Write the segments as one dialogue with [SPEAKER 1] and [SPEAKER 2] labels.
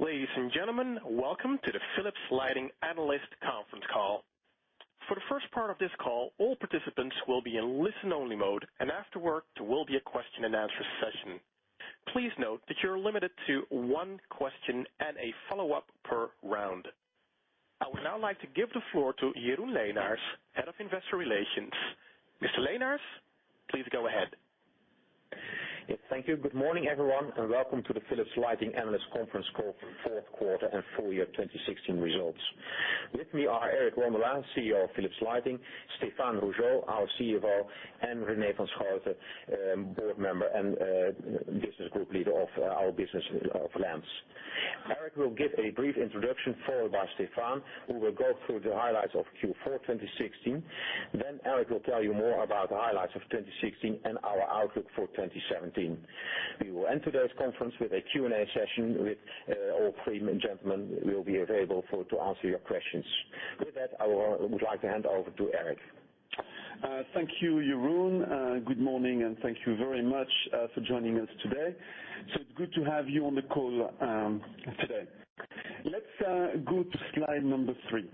[SPEAKER 1] Ladies and gentlemen, welcome to the Philips Lighting Analyst Conference Call. For the first part of this call, all participants will be in listen-only mode, and afterward, there will be a question-and-answer session. Please note that you're limited to one question and a follow-up per round. I would now like to give the floor to Jeroen Leenaers, Head of Investor Relations. Mr. Leenaers, please go ahead.
[SPEAKER 2] Yes. Thank you. Good morning, everyone, welcome to the Philips Lighting Analyst Conference Call for fourth quarter and full year 2016 results. With me are Eric Rondolat, CEO of Philips Lighting, Stéphane Rougeot, our CFO, and René van Schooten, Board Member and Business Group Leader of our business of lamps. Eric will give a brief introduction, followed by Stéphane, who will go through the highlights of Q4 2016. Eric will tell you more about the highlights of 2016 and our outlook for 2017. We will end today's conference with a Q&A session with all three gentlemen will be available to answer your questions. I would like to hand over to Eric.
[SPEAKER 3] Thank you, Jeroen. Good morning and thank you very much for joining us today. It's good to have you on the call today. Let's go to slide number three.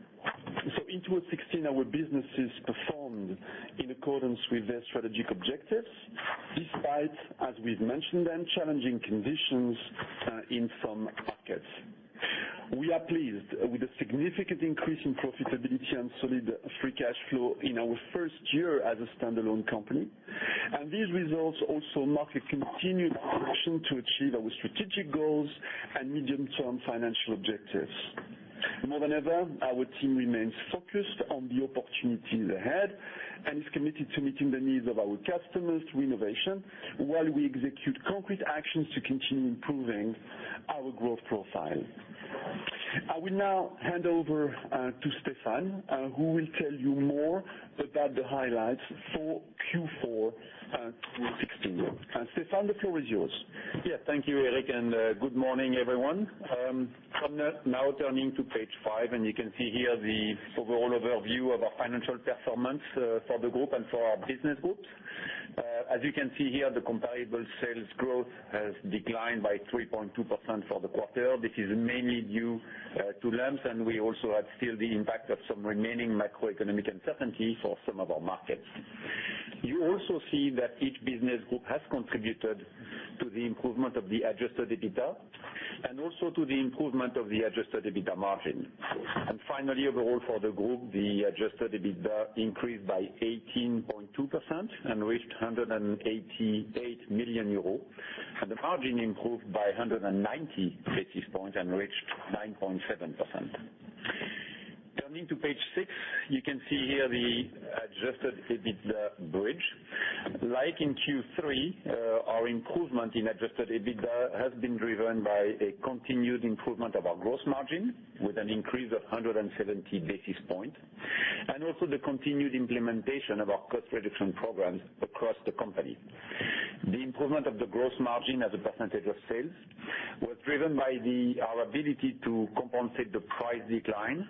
[SPEAKER 3] In 2016, our businesses performed in accordance with their strategic objectives, despite, as we've mentioned, challenging conditions in some markets. We are pleased with the significant increase in profitability and solid free cash flow in our first year as a standalone company. These results also mark a continued action to achieve our strategic goals and medium-term financial objectives. More than ever, our team remains focused on the opportunities ahead and is committed to meeting the needs of our customers through innovation while we execute concrete actions to continue improving our growth profile. I will now hand over to Stéphane, who will tell you more about the highlights for Q4 2016. Stéphane, the floor is yours.
[SPEAKER 4] Yes. Thank you, Eric. Good morning, everyone. I'm now turning to page five, and you can see here the overall overview of our financial performance for the group and for our business groups. As you can see here, the comparable sales growth has declined by 3.2% for the quarter. This is mainly due to lamps, and we also have still the impact of some remaining macroeconomic uncertainty for some of our markets. You also see that each business group has contributed to the improvement of the adjusted EBITDA and also to the improvement of the adjusted EBITDA margin. Finally, overall for the group, the adjusted EBITDA increased by 18.2% and reached 188 million euro, and the margin improved by 190 basis points and reached 9.7%. Turning to page six, you can see here the adjusted EBITDA bridge. Like in Q3, our improvement in adjusted EBITDA has been driven by a continued improvement of our gross margin with an increase of 170 basis points, also the continued implementation of our cost reduction programs across the company. The improvement of the gross margin as a percentage of sales was driven by our ability to compensate the price decline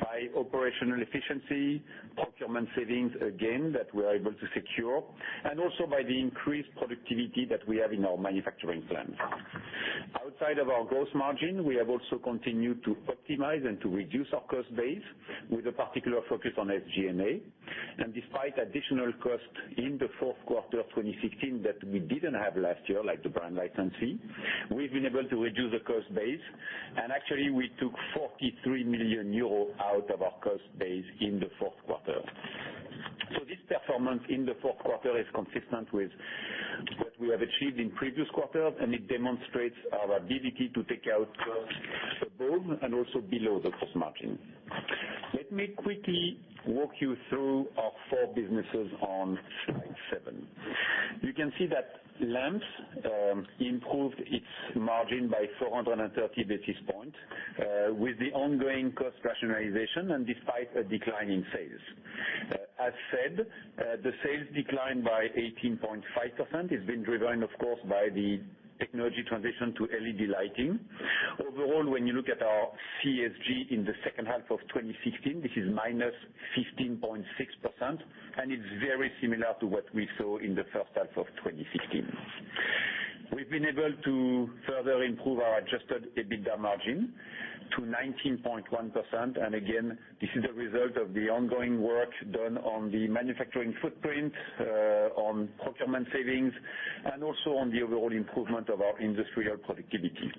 [SPEAKER 4] by operational efficiency, procurement savings, again, that we are able to secure, also by the increased productivity that we have in our manufacturing plants. Outside of our gross margin, we have also continued to optimize and to reduce our cost base with a particular focus on SG&A. Despite additional cost in the fourth quarter of 2016 that we didn't have last year, like the brand licensing, we've been able to reduce the cost base. Actually, we took 43 million euros out of our cost base in the fourth quarter. This performance in the fourth quarter is consistent with what we have achieved in previous quarters, and it demonstrates our ability to take out costs above and also below the cost margin. Let me quickly walk you through our four businesses on slide seven. You can see that lamps improved its margin by 430 basis points with the ongoing cost rationalization and despite a decline in sales. As said, the sales declined by 18.5%. It's been driven, of course, by the technology transition to LED lighting. Overall, when you look at our CSG in the second half of 2016, this is minus 15.6%, and it's very similar to what we saw in the first half of 2016. We've been able to further improve our adjusted EBITDA margin to 19.1%. Again, this is a result of the ongoing work done on the manufacturing footprint, on procurement savings, and also on the overall improvement of our industrial productivity.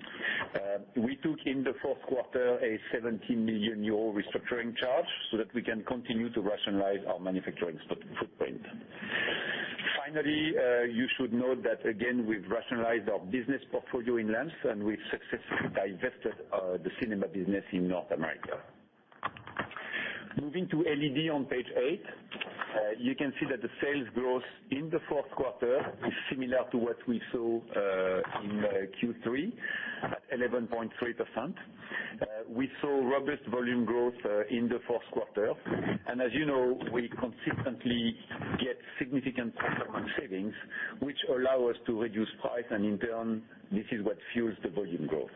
[SPEAKER 4] We took in the fourth quarter a 17 million euro restructuring charge so that we can continue to rationalize our manufacturing footprint. Finally, you should note that again, we've rationalized our business portfolio in lamps, and we've successfully divested the cinema business in North America. Moving to LED on page eight, you can see that the sales growth in the fourth quarter is similar to what we saw in Q3, 11.3%. We saw robust volume growth in the fourth quarter. As you know, we consistently get significant procurement savings, which allow us to reduce price, and in turn, this is what fuels the volume growth.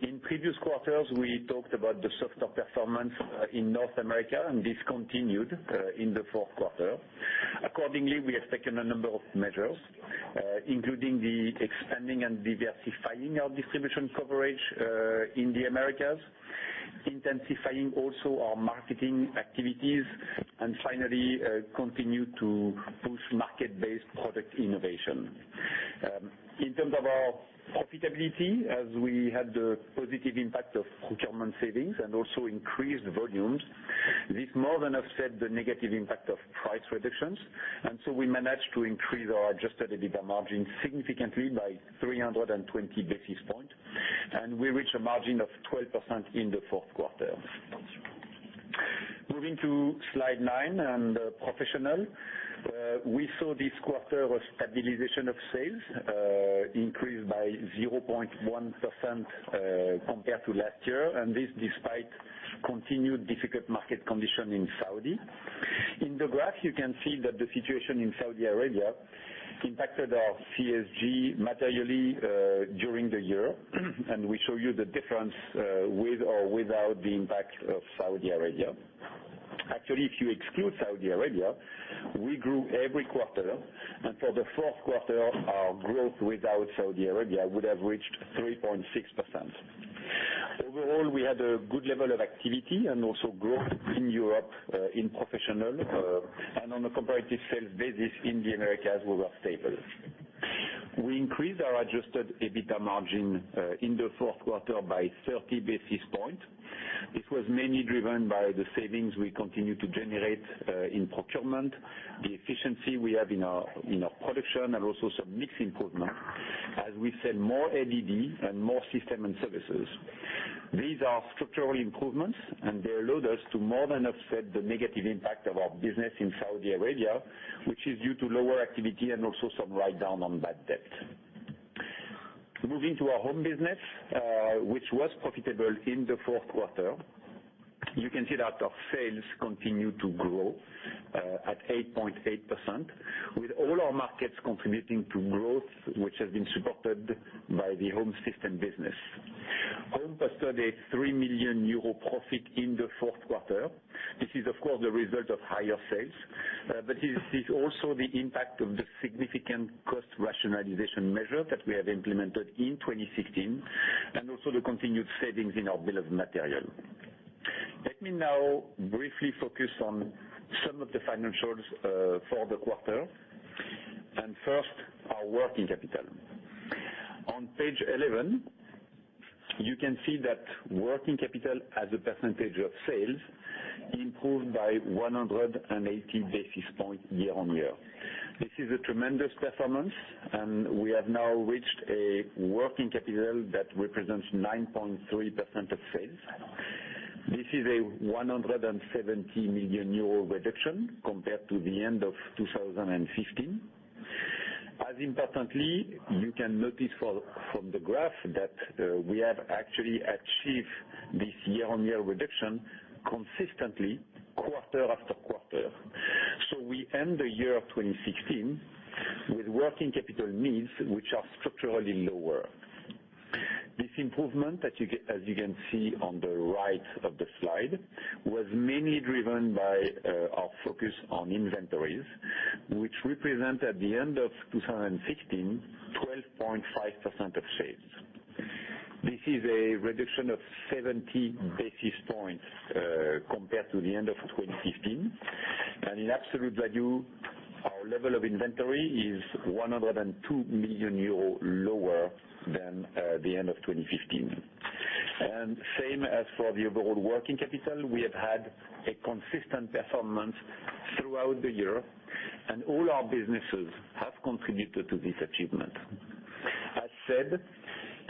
[SPEAKER 4] In previous quarters, we talked about the softer performance in North America, and this continued in the fourth quarter. Accordingly, we have taken a number of measures, including the expanding and diversifying our distribution coverage in the Americas, intensifying also our marketing activities, and finally, continue to boost market-based product innovation. In terms of our profitability, as we had the positive impact of procurement savings and also increased volumes, this more than offset the negative impact of price reductions. So we managed to increase our adjusted EBITDA margin significantly by 320 basis points, and we reached a margin of 12% in the fourth quarter. Moving to Slide nine and Professional. We saw this quarter a stabilization of sales increase by 0.1% compared to last year, and this despite continued difficult market condition in Saudi. In the graph, you can see that the situation in Saudi Arabia impacted our CSG materially during the year. We show you the difference with or without the impact of Saudi Arabia. Actually, if you exclude Saudi Arabia, we grew every quarter. For the fourth quarter, our growth without Saudi Arabia would have reached 3.6%. Overall, we had a good level of activity and also growth in Europe in Professional. On a comparative sales basis, in the Americas, we were stable. We increased our adjusted EBITDA margin in the fourth quarter by 30 basis points. This was mainly driven by the savings we continue to generate in procurement, the efficiency we have in our production, and also some mix improvement as we sell more LED and more system and services. These are structural improvements. They allowed us to more than offset the negative impact of our business in Saudi Arabia, which is due to lower activity and also some write-down on bad debt. Moving to our Home business, which was profitable in the fourth quarter. You can see that our sales continue to grow at 8.8%, with all our markets contributing to growth, which has been supported by the Home Systems business. Home posted a 3 million euro profit in the fourth quarter. This is, of course, the result of higher sales, but it is also the impact of the significant cost rationalization measure that we have implemented in 2016, and also the continued savings in our bill of materials. Let me now briefly focus on some of the financials for the quarter. First, our working capital. On page 11, you can see that working capital as a percentage of sales improved by 180 basis points year-on-year. This is a tremendous performance. We have now reached a working capital that represents 9.3% of sales. This is a 170 million euro reduction compared to the end of 2015. As importantly, you can notice from the graph that we have actually achieved this year-on-year reduction consistently quarter after quarter. We end the year 2016 with working capital needs, which are structurally lower. This improvement, as you can see on the right of the slide, was mainly driven by our focus on inventories, which represent, at the end of 2016, 12.5% of sales. This is a reduction of 70 basis points compared to the end of 2015. In absolute value, our level of inventory is 102 million euros lower than the end of 2015. Same as for the overall working capital, we have had a consistent performance throughout the year. All our businesses have contributed to this achievement. As said,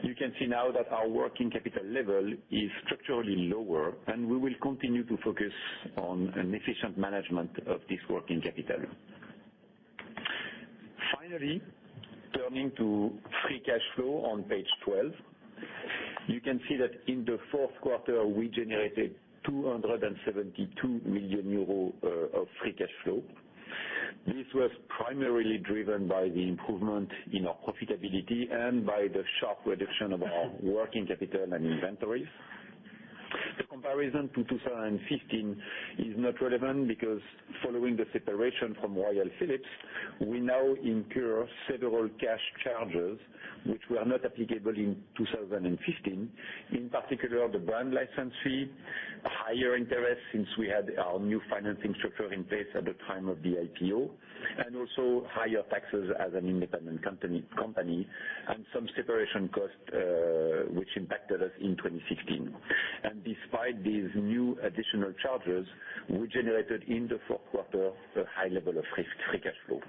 [SPEAKER 4] you can see now that our working capital level is structurally lower. We will continue to focus on an efficient management of this working capital. Finally, turning to free cash flow on page 12. You can see that in the fourth quarter, we generated 272 million euros of free cash flow. This was primarily driven by the improvement in our profitability and by the sharp reduction of our working capital and inventories. The comparison to 2015 is not relevant because following the separation from Royal Philips, we now incur several cash charges which were not applicable in 2015. In particular, the brand license fee, higher interest since we had our new financing structure in place at the time of the IPO, and also higher taxes as an independent company, and some separation costs, which impacted us in 2016. Despite these new additional charges, we generated in the fourth quarter a high level of free cash flow.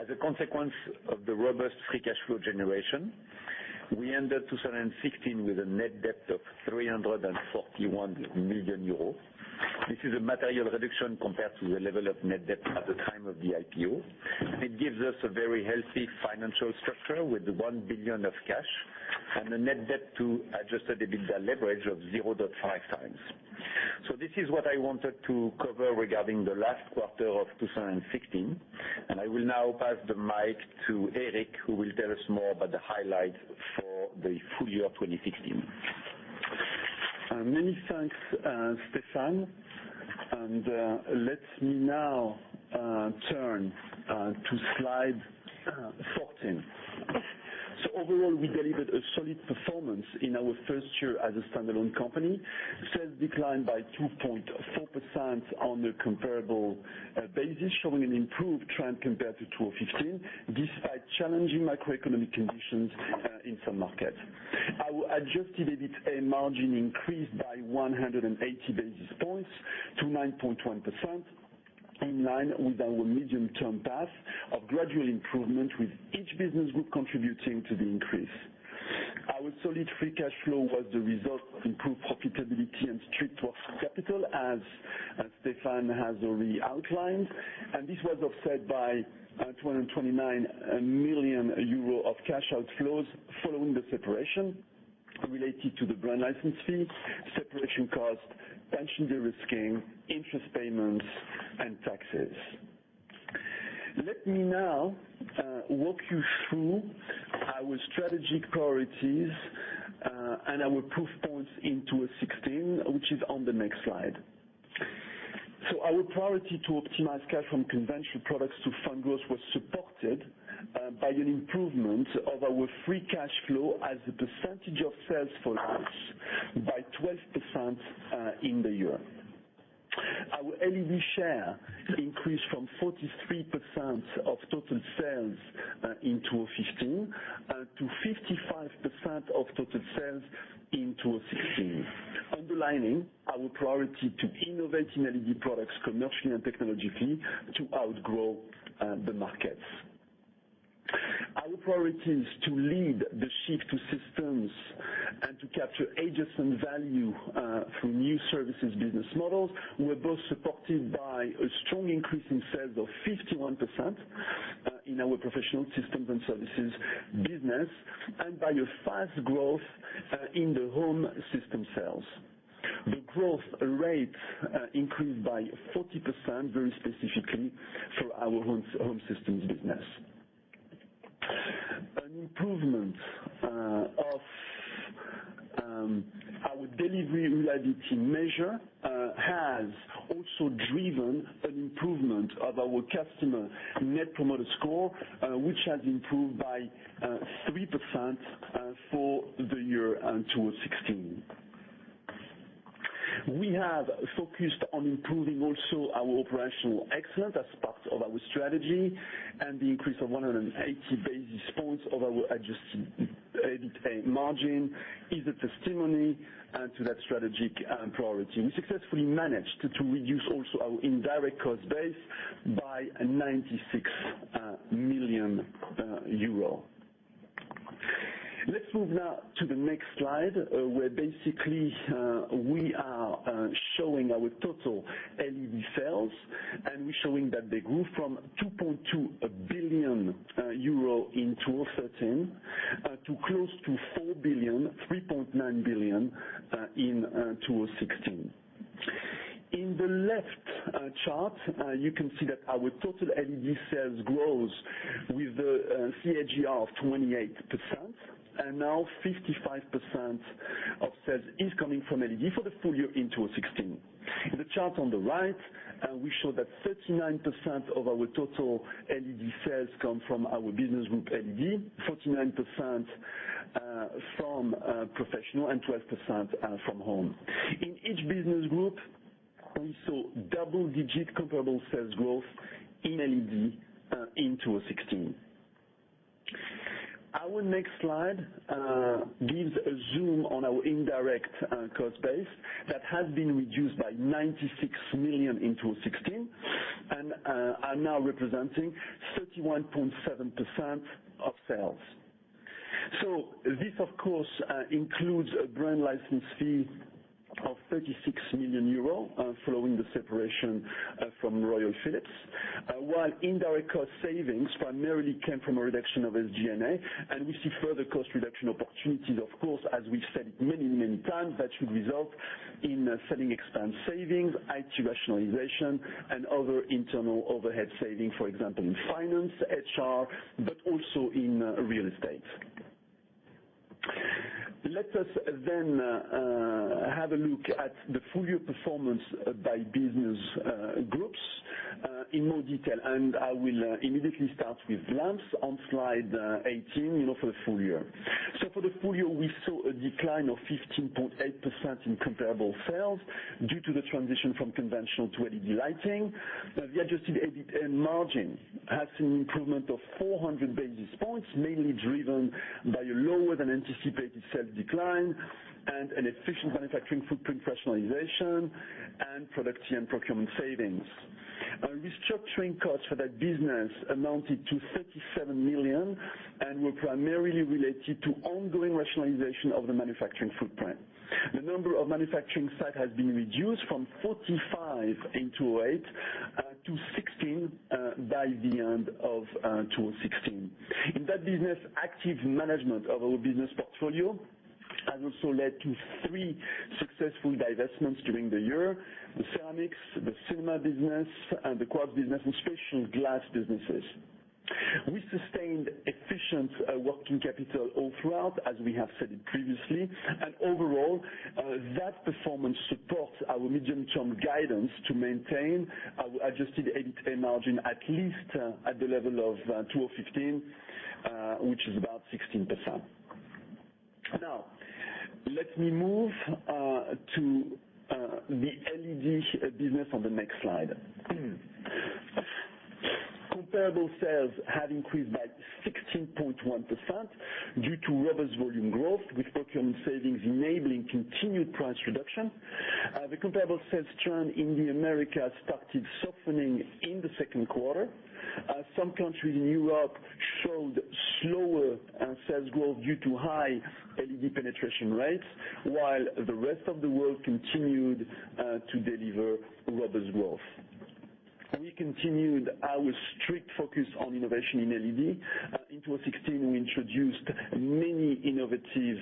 [SPEAKER 4] As a consequence of the robust free cash flow generation, we ended 2016 with a net debt of 341 million euros. This is a material reduction compared to the level of net debt at the time of the IPO. It gives us a very healthy financial structure with 1 billion of cash and a net debt-to-adjusted EBITDA leverage of 0.5 times. This is what I wanted to cover regarding the last quarter of 2016, and I will now pass the mic to Eric, who will tell us more about the highlights for the full year 2016.
[SPEAKER 3] Many thanks, Stéphane. Let me now turn to slide 14. Overall, we delivered a solid performance in our first year as a standalone company. Sales declined by 2.4% on a comparable basis, showing an improved trend compared to 2015, despite challenging macroeconomic conditions in some markets. Our adjusted EBITA margin increased by 180 basis points to 9.1%, in line with our medium-term path of gradual improvement with each business group contributing to the increase. Our solid free cash flow was the result of improved profitability and strict working capital, as Stephan has already outlined. This was offset by 229 million euro of cash outflows following the separation related to the brand license fee, separation cost, pension de-risking, interest payments, and taxes. Let me now walk you through our strategic priorities, and our proof points in 2016, which is on the next slide. Our priority to optimize cash from conventional products to fund growth was supported by an improvement of our free cash flow as a percentage of sales for by 12% in the year. Our LED share increased from 43% of total sales in 2015 to 55% of total sales in 2016, underlining our priority to innovate in LED products commercially and technologically to outgrow the markets. Our priorities to lead the shift to systems and to capture adjacent value through new services business models were both supported by a strong increase in sales of 51% in our professional systems and services business, and by a fast growth in the Home Systems sales. The growth rate increased by 40%, very specifically for our Home Systems business. An improvement of our delivery reliability measure has also driven an improvement of our customer Net Promoter Score, which has improved by 3% for the year in 2016. We have focused on improving also our operational excellence as part of our strategy. The increase of 180 basis points of our adjusted EBITA margin is a testimony to that strategic priority. We successfully managed to reduce also our indirect cost base by 96 million euro. Let's move now to the next slide, where basically, we are showing our total LED sales, and we are showing that they grew from 2.2 billion euro in 2013 to close to 4 billion, 3.9 billion in 2016. In the left chart, you can see that our total LED sales grows with the CAGR of 28%, and now 55% of sales is coming from LED for the full year in 2016. In the chart on the right, we show that 39% of our total LED sales come from our business group LED, 49% from professional and 12% from home. In each business group, we saw double-digit comparable sales growth in LED in 2016. Our next slide gives a zoom on our indirect cost base that has been reduced by 96 million in 2016 and are now representing 31.7% of sales. This, of course, includes a brand license fee of 36 million euro following the separation from Royal Philips. While indirect cost savings primarily came from a reduction of SG&A, and we see further cost reduction opportunities, of course, as we said many, many times, that should result in selling expense savings, IT rationalization, and other internal overhead saving, for example, in finance, HR, but also in real estate. Let us have a look at the full-year performance by business groups in more detail, and I will immediately start with lamps on slide 18 for the full year. For the full year, we saw a decline of 15.8% in comparable sales due to the transition from conventional to LED lighting. The adjusted EBITA margin has seen improvement of 400 basis points, mainly driven by a lower-than-anticipated sales decline and an efficient manufacturing footprint rationalization and product and procurement savings. Restructuring costs for that business amounted to 37 million and were primarily related to ongoing rationalization of the manufacturing footprint. The number of manufacturing site has been reduced from 45 in 2008 to 16 by the end of 2016. In that business, active management of our business portfolio has also led to three successful divestments during the year: the ceramics, the cinema business, and the quartz business and special glass businesses. We sustained efficient working capital all throughout, as we have said previously, and overall, that performance supports our medium-term guidance to maintain our adjusted EBITA margin, at least at the level of 2015, which is about 16%. Let me move to the LED business on the next slide. Comparable sales have increased by 16.1% due to robust volume growth, with procurement savings enabling continued price reduction. The comparable sales trend in the Americas started softening in the second quarter. Some countries in Europe showed slower sales growth due to high LED penetration rates, while the rest of the world continued to deliver robust growth. We continued our strict focus on innovation in LED. In 2016, we introduced many innovative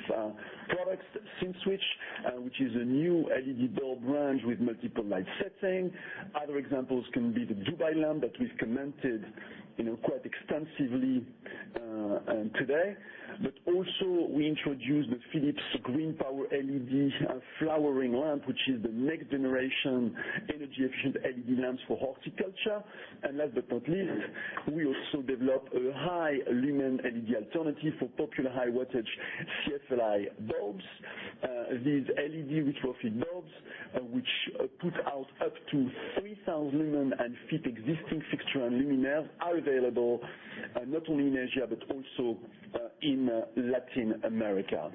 [SPEAKER 3] products. SceneSwitch, which is a new LED bulb range with multiple light settings. Other examples can be the Dubai Lamp that we've commented quite extensively on today. We also introduced the Philips GreenPower LED flowering lamp, which is the next-generation energy-efficient LED lamps for horticulture. Last but not least, we also developed a high lumen LED alternative for popular high-wattage CFL bulbs. These LED retrofit bulbs, which put out up to 3,000 lumen and fit existing fixture and luminaires, are available not only in Asia but also in Latin America.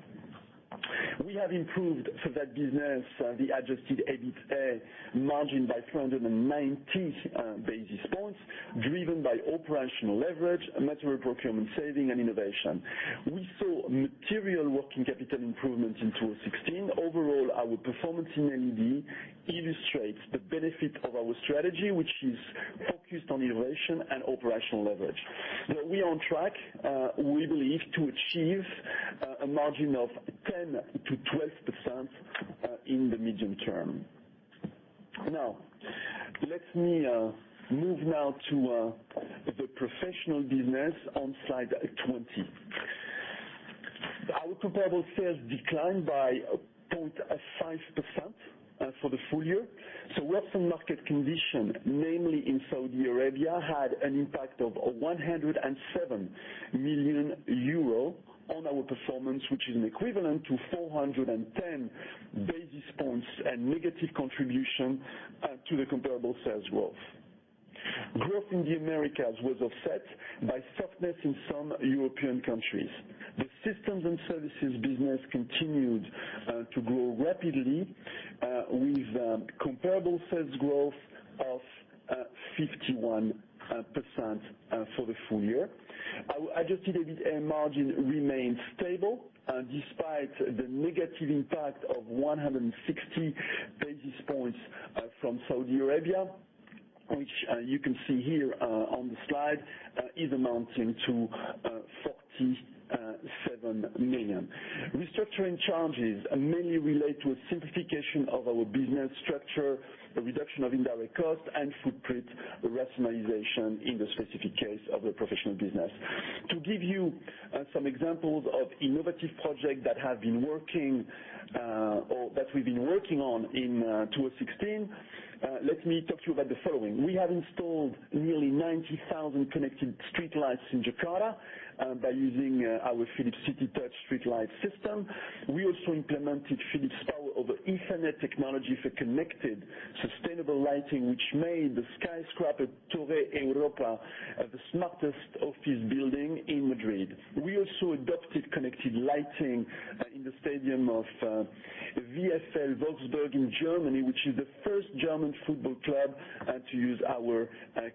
[SPEAKER 3] We have improved for that business the adjusted EBITA margin by 390 basis points, driven by operational leverage, material procurement saving, and innovation. We saw material working capital improvements in 2016. Overall, our performance in LED illustrates the benefit of our strategy, which is focused on innovation and operational leverage. We are on track, we believe, to achieve a margin of 10%-12% in the medium term. Let me move now to the Professional Business on slide 20. Our comparable sales declined by 0.5% for the full year. We have some market condition, namely in Saudi Arabia, had an impact of 107 million euro on our performance, which is an equivalent to 410 basis points and negative contribution to the comparable sales growth. Growth in the Americas was offset by softness in some European countries. The systems and services business continued to grow rapidly with comparable sales growth of 51% for the full year. Our adjusted EBITA margin remained stable despite the negative impact of 160 basis points from Saudi Arabia, which you can see here on the slide, is amounting to 47 million. Restructuring charges mainly relate to a simplification of our business structure, a reduction of indirect costs, and footprint rationalization in the specific case of the Professional Business. To give you some examples of innovative projects that we've been working on in 2016, let me talk to you about the following. We have installed nearly 90,000 connected streetlights in Jakarta by using our Philips CityTouch streetlight system. We also implemented Philips Power over Ethernet technology for connected sustainable lighting, which made the skyscraper Torre Europa the smartest office building in Madrid. We also adopted connected lighting in the stadium of VfL Wolfsburg in Germany, which is the first German football club to use our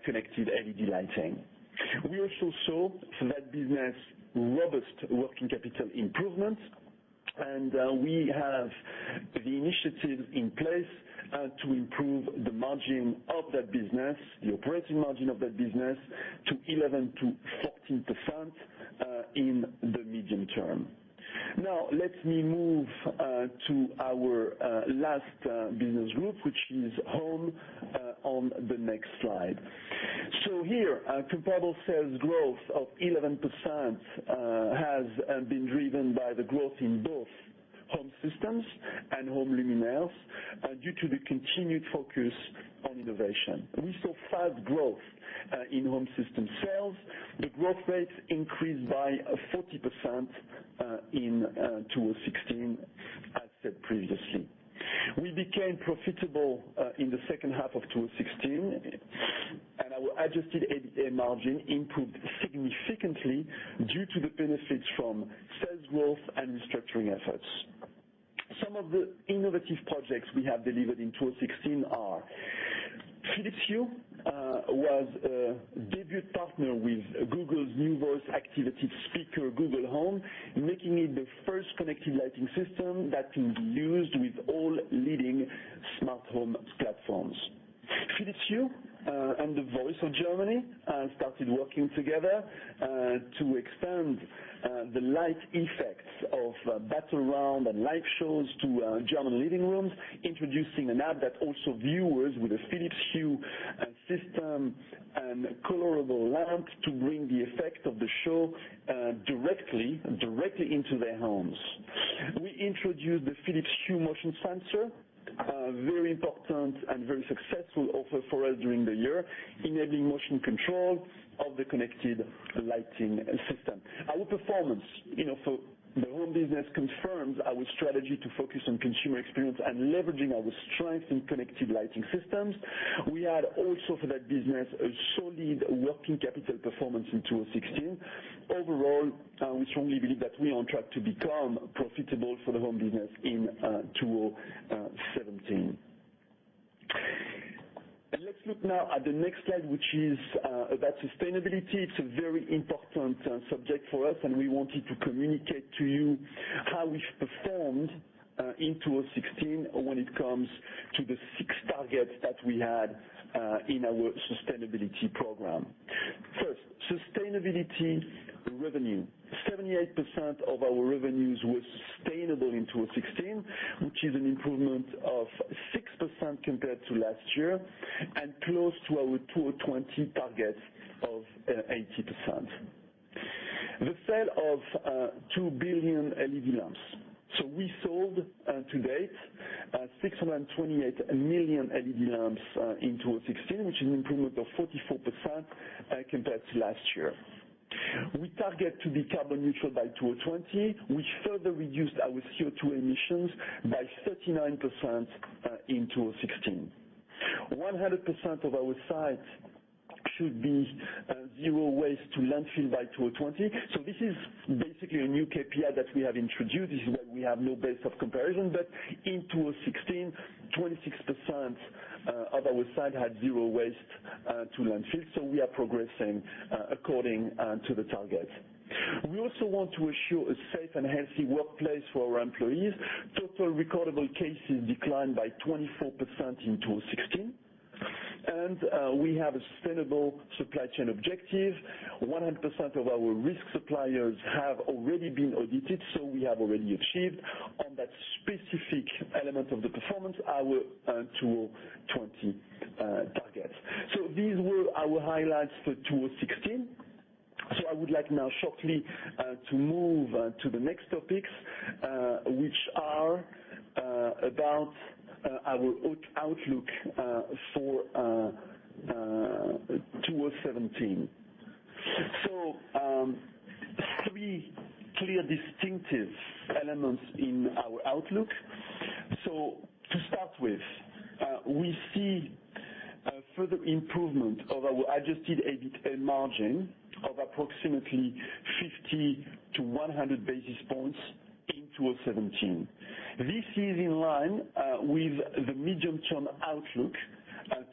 [SPEAKER 3] connected LED lighting. We also saw for that business robust working capital improvements. We have the initiative in place to improve the margin of that business, the operating margin of that business, to 11%-14% in the medium term. Let me move to our last business group, which is Home, on the next slide. Here, comparable sales growth of 11% has been driven by the growth in both Home Systems and Home Luminaires due to the continued focus on innovation. We saw fast growth in Home System sales. The growth rates increased by 40% in 2016 as said previously. We became profitable in the second half of 2016. Our adjusted EBITA margin improved significantly due to the benefits from sales growth and restructuring efforts. Some of the innovative projects we have delivered in 2016 are Philips Hue was a debut partner with Google's new voice-activated speaker, Google Home, making it the first connected lighting system that can be used with all leading smart home platforms. Hue and The Voice of Germany started working together to expand the light effects of battle round and live shows to German living rooms, introducing an app that also viewers with a Philips Hue system and colorable lamp to bring the effect of the show directly into their homes. We introduced the Philips Hue motion sensor, very important and very successful offer for us during the year, enabling motion control of the connected lighting system. Our performance for the home business confirms our strategy to focus on consumer experience and leveraging our strengths in connected lighting systems. We had also for that business, a solid working capital performance in 2016. We strongly believe that we are on track to become profitable for the home business in 2017. Let's look now at the next slide, which is about sustainability. It's a very important subject for us, and we wanted to communicate to you how we've performed in 2016 when it comes to the six targets that we had in our sustainability program. First, sustainability revenue. 78% of our revenues were sustainable in 2016, which is an improvement of 6% compared to last year and close to our 2020 target of 80%. The sale of 2 billion LED lamps. We sold to date 628 million LED lamps in 2016, which is an improvement of 44% compared to last year. We target to be carbon neutral by 2020. We further reduced our CO2 emissions by 39% in 2016. 100% of our sites should be zero waste to landfill by 2020. This is basically a new KPI that we have introduced. This is why we have no base of comparison, but in 2016, 26% of our sites had zero waste to landfill. We are progressing according to the target. We also want to ensure a safe and healthy workplace for our employees. Total recordable cases declined by 24% in 2016. We have a sustainable supply chain objective. 100% of our risk suppliers have already been audited, so we have already achieved on that specific element of the performance our 2020 target. These were our highlights for 2016. I would like now shortly to move to the next topics, which are about our outlook for 2017. Three clear distinctive elements in our outlook. To start with, we see a further improvement of our adjusted EBITA margin of approximately 50-100 basis points in 2017. This is in line with the medium-term outlook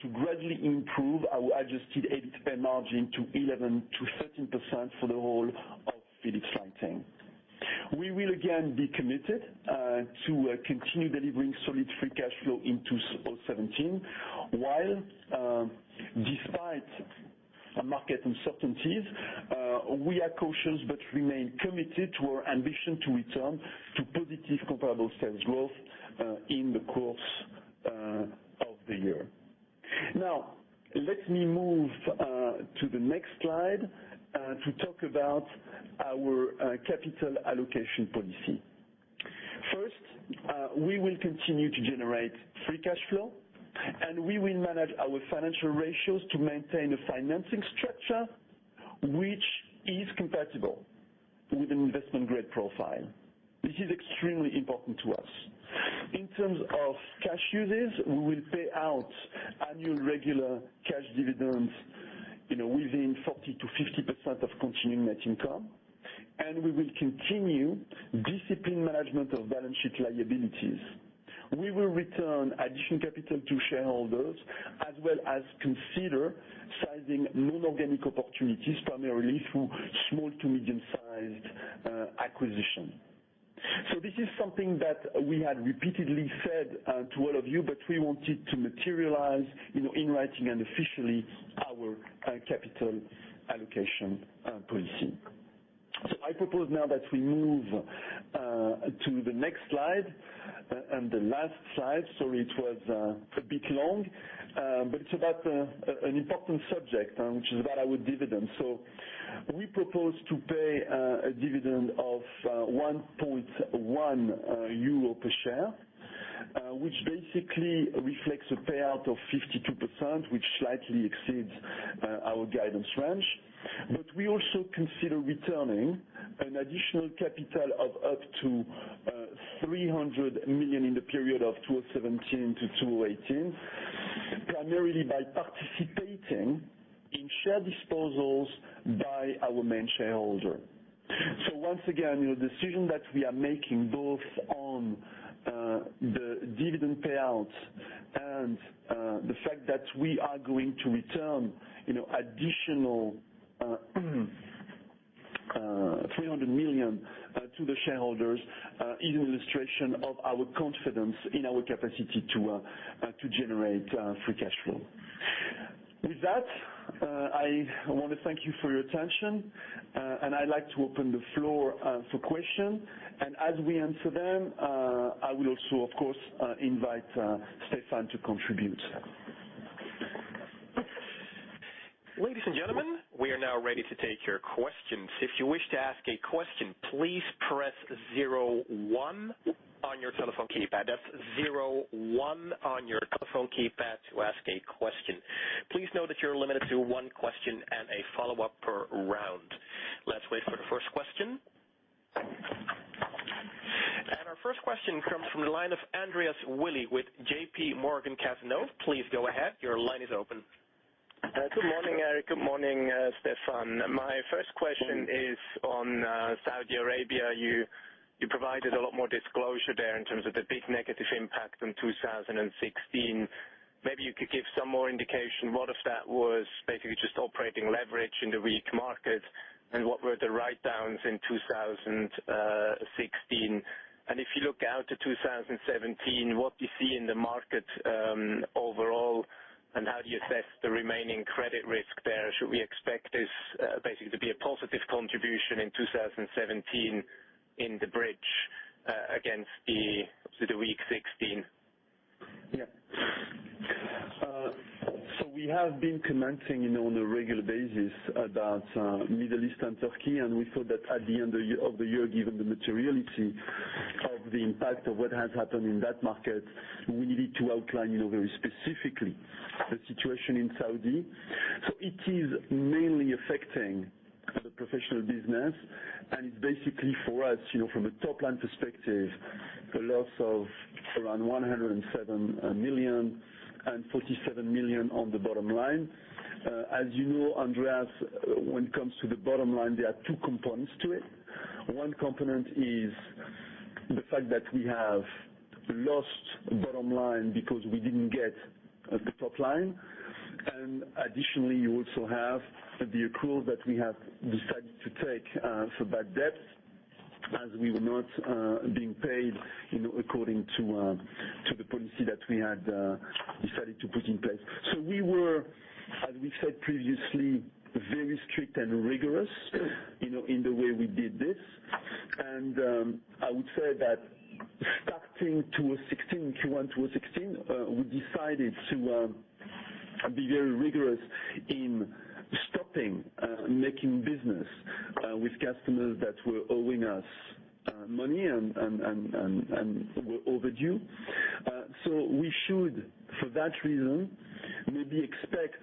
[SPEAKER 3] to gradually improve our adjusted EBITA margin to 11%-13% for the whole of Philips Lighting. We will again be committed to continue delivering solid free cash flow in 2017. While despite market uncertainties, we are cautious but remain committed to our ambition to return to positive comparable sales growth in the course of the year. Now, let me move to the next slide to talk about our capital allocation policy. First, we will continue to generate free cash flow, and we will manage our financial ratios to maintain a financing structure which is compatible with an investment-grade profile. This is extremely important to us. In terms of cash uses, we will pay out annual regular cash dividends within 40%-50% of continuing net income, and we will continue disciplined management of balance sheet liabilities. We will return additional capital to shareholders as well as consider sizing non-organic opportunities, primarily through small to medium-sized acquisition. This is something that we had repeatedly said to all of you, but we wanted to materialize in writing and officially our capital allocation policy. I propose now that we move to the next slide and the last slide. Sorry it was a bit long. It's about an important subject, which is about our dividend. We propose to pay a dividend of 1.1 euro per share, which basically reflects a payout of 52%, which slightly exceeds our guidance range. We also consider returning an additional capital of up to 300 million in the period of 2017 to 2018, primarily by participating in share disposals by our main shareholder. Once again, the decision that we are making both on the dividend payouts and the fact that we are going to return additional 300 million to the shareholders is an illustration of our confidence in our capacity to generate free cash flow. With that, I want to thank you for your attention, and I'd like to open the floor for question. As we answer them, I will also, of course, invite Stéphane to contribute.
[SPEAKER 1] Ladies and gentlemen, we are now ready to take your questions. If you wish to ask a question, please press 01 on your telephone keypad. That's 01 on your telephone keypad to ask a question. Please note that you're limited to one question and a follow-up per round. Let's wait for the first question. Our first question comes from the line of Andreas Willi with J.P. Morgan Cazenove. Please go ahead. Your line is open.
[SPEAKER 5] Good morning, Eric. Good morning, Stéphane. My first question is on Saudi Arabia. You provided a lot more disclosure there in terms of the big negative impact in 2016. Maybe you could give some more indication what of that was basically just operating leverage in the weak market, and what were the write-downs in 2016? If you look out to 2017, what do you see in the market overall, and how do you assess the remaining credit risk there? Should we expect this basically to be a positive contribution in 2017 in the bridge against the weak 2016?
[SPEAKER 3] Yeah. We have been commenting on a regular basis about Middle East and Turkey. We thought that at the end of the year, given the materiality of the impact of what has happened in that market, we needed to outline very specifically the situation in Saudi. It is mainly affecting the professional business, and it's basically for us, from a top-line perspective, a loss of around 107 million and 47 million on the bottom line. As you know, Andreas, when it comes to the bottom line, there are two components to it. One component is the fact that we have lost bottom line because we didn't get the top line. Additionally, you also have the accrual that we have decided to take for bad debts as we were not being paid according to the policy that we had decided to put in place. We were, as we said previously, very strict and rigorous in the way we did this. I would say that starting 2016, Q1 2016, we decided to be very rigorous in stopping making business with customers that were owing us money and were overdue. We should, for that reason, maybe expect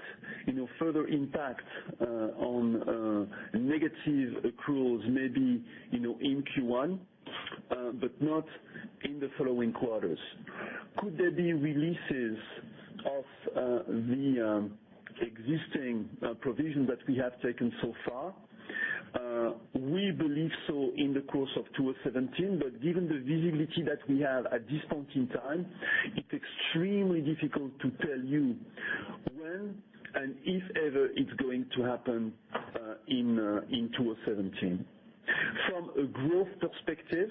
[SPEAKER 3] further impact on negative accruals, maybe in Q1 but not in the following quarters. Could there be releases of the existing provision that we have taken so far? We believe so in the course of 2017, but given the visibility that we have at this point in time, it's extremely difficult to tell you when and if ever it's going to happen in 2017. From a growth perspective,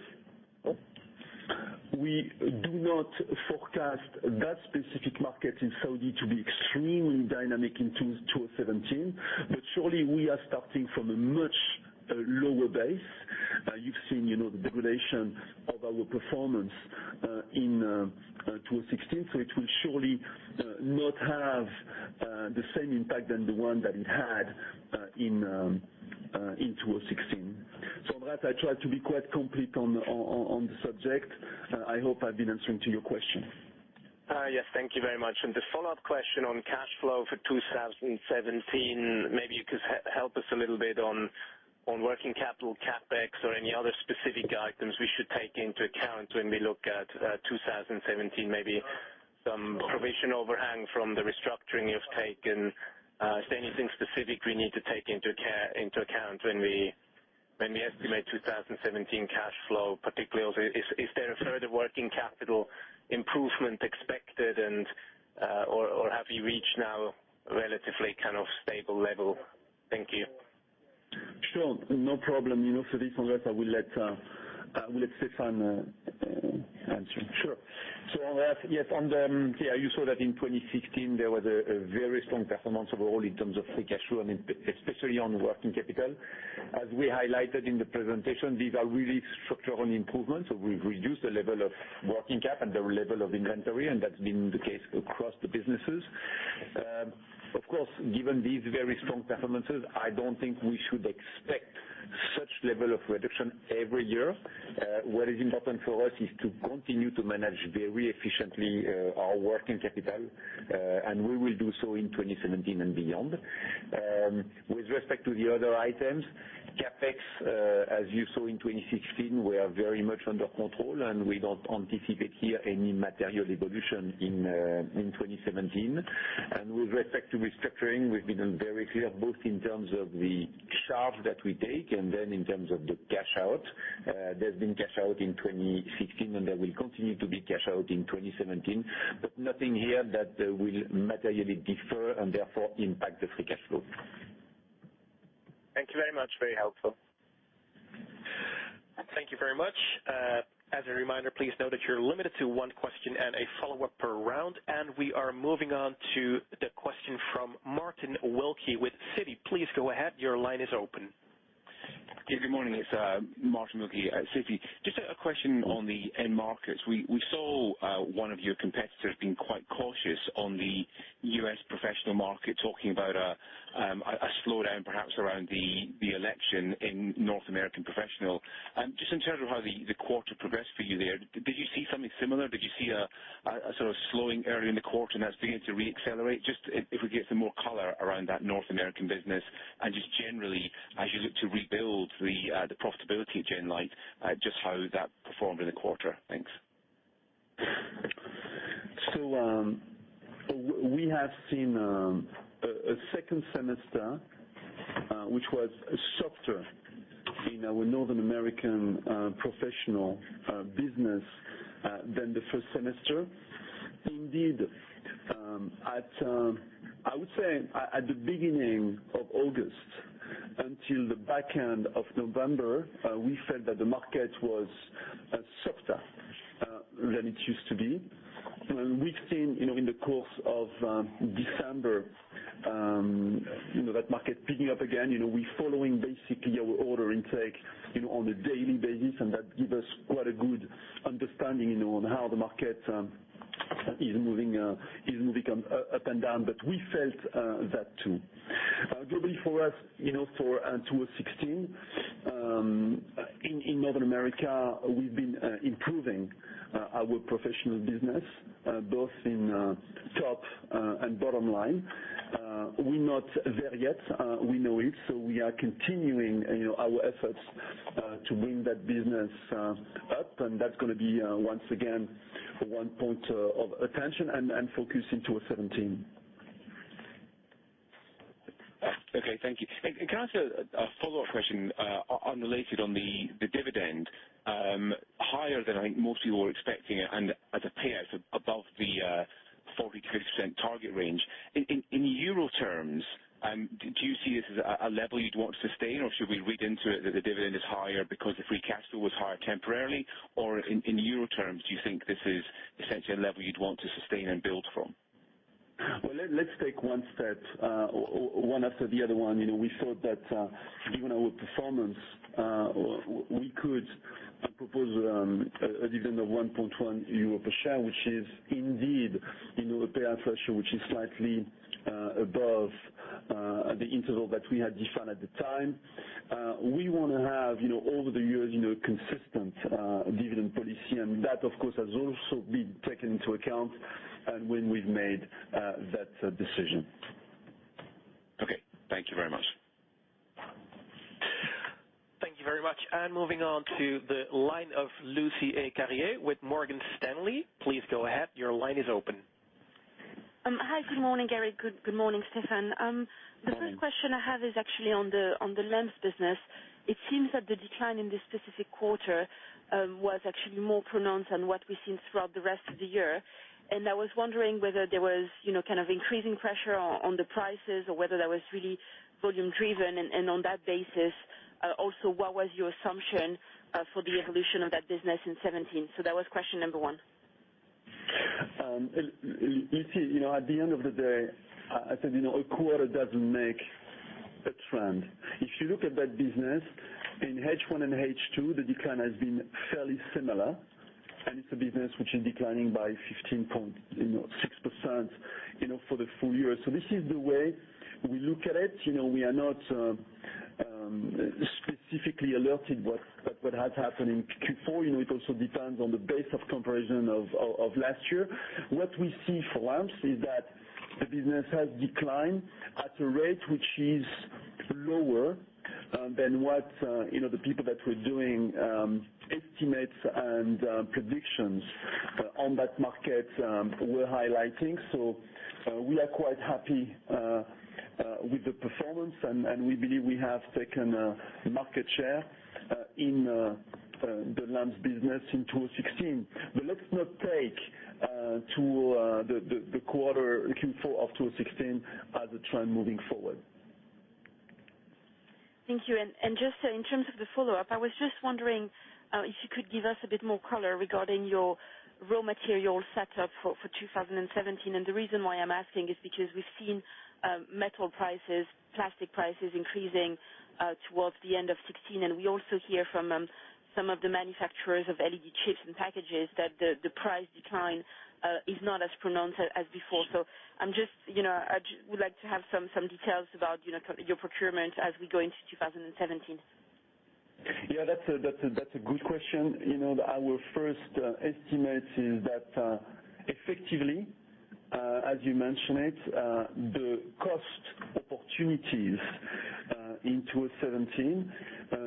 [SPEAKER 3] we do not forecast that specific market in Saudi to be extremely dynamic in 2017. Surely we are starting from a much lower base. You've seen the degradation of our performance in 2016. It will surely not have the same impact than the one that it had in 2016. Andreas, I tried to be quite complete on the subject. I hope I've been answering to your question.
[SPEAKER 5] Yes, thank you very much. A follow-up question on cash flow for 2017, maybe you could help us a little bit on working capital CapEx or any other specific items we should take into account when we look at 2017, maybe some provision overhang from the restructuring you've taken. Is there anything specific we need to take into account when we estimate 2017 cash flow particularly? Is there a further working capital improvement expected or have you reached now relatively stable level? Thank you.
[SPEAKER 3] Sure. No problem. For this one, I will let Stéphane answer.
[SPEAKER 4] Sure. Andreas, yes, You saw that in 2016, there was a very strong performance overall in terms of free cash flow, and especially on working capital. As we highlighted in the presentation, these are really structural improvements. We've reduced the level of working cap and the level of inventory, and that's been the case across the businesses. Of course, given these very strong performances, I don't think we should expect such level of reduction every year. What is important for us is to continue to manage very efficiently our working capital, and we will do so in 2017 and beyond. With respect to the other items, CapEx, as you saw in 2016, we are very much under control, and we don't anticipate here any material evolution in 2017. With respect to restructuring, we've been very clear, both in terms of the charge that we take and then in terms of the Cash out. There's been cash out in 2016, there will continue to be cash out in 2017, nothing here that will materially differ and therefore impact the free cash flow.
[SPEAKER 5] Thank you very much. Very helpful.
[SPEAKER 1] Thank you very much. As a reminder, please note that you're limited to one question and a follow-up per round. We are moving on to the question from Martin Wilkie with Citi. Please go ahead. Your line is open.
[SPEAKER 6] Good morning. It's Martin Wilkie, Citi. Just a question on the end markets. We saw one of your competitors being quite cautious on the U.S. professional market, talking about a slowdown perhaps around the election in North American professional. Just in terms of how the quarter progressed for you there, did you see something similar? Did you see a sort of slowing early in the quarter and that's beginning to re-accelerate? Just if we get some more color around that North American business and just generally, as you look to rebuild the profitability at Genlyte, just how that performed in the quarter. Thanks.
[SPEAKER 3] We have seen a second semester which was softer in our North American professional business than the first semester. Indeed, I would say at the beginning of August until the back end of November, we felt that the market was softer than it used to be. We've seen in the course of December that market picking up again. That gives us quite a good understanding on how the market is moving up and down. We felt that too. Generally for us, for 2016, in North America, we've been improving our professional business, both in top and bottom line. We're not there yet. We know it. We are continuing our efforts to bring that business up, and that's going to be once again one point of attention and focus in 2017.
[SPEAKER 6] Okay, thank you. Can I ask a follow-up question, unrelated on the dividend, higher than I think most people were expecting and as a payout above the 40%-50% target range. In EUR terms, do you see this as a level you'd want to sustain, or should we read into it that the dividend is higher because the free cash flow was higher temporarily? Or in EUR terms, do you think this is essentially a level you'd want to sustain and build from?
[SPEAKER 3] Well, let's take one step, one after the other one. We thought that given our performance, we could propose a dividend of 1.1 euro per share, which is indeed a payout ratio which is slightly above the interval that we had defined at the time. We want to have over the years, a consistent dividend policy, and that, of course, has also been taken into account and when we've made that decision.
[SPEAKER 6] Okay. Thank you very much.
[SPEAKER 1] Thank you very much. Moving on to the line of Lucie A. Carrier with Morgan Stanley. Please go ahead. Your line is open.
[SPEAKER 7] Hi, good morning, Gary. Good morning, Stéphane.
[SPEAKER 3] Good morning.
[SPEAKER 7] The first question I have is actually on the lamps business. It seems that the decline in this specific quarter was actually more pronounced than what we've seen throughout the rest of the year. I was wondering whether there was increasing pressure on the prices or whether that was really volume driven. On that basis, also, what was your assumption for the evolution of that business in 2017? That was question number one.
[SPEAKER 3] Lucie, at the end of the day, I said, a quarter doesn't make a trend. If you look at that business in H1 and H2, the decline has been fairly similar, and it's a business which is declining by 15.6% for the full year. This is the way we look at it. We are not specifically alerted what has happened in Q4. It also depends on the base of comparison of last year. What we see for lamps is that the business has declined at a rate which is lower than what the people that were doing estimates and predictions on that market were highlighting. We are quite happy with the performance, and we believe we have taken market share in the lamps business in 2016. Let's not take the quarter Q4 of 2016 as a trend moving forward.
[SPEAKER 7] Thank you. Just in terms of the follow-up, I was just wondering if you could give us a bit more color regarding your raw material set up for 2017. The reason why I'm asking is because we've seen metal prices, plastic prices increasing towards the end of 2016, we also hear from some of the manufacturers of LED chips and packages that the price decline is not as pronounced as before. I would like to have some details about your procurement as we go into 2017.
[SPEAKER 3] Yeah, that's a good question. Our first estimate is that effectively, as you mentioned it, the cost opportunities in 2017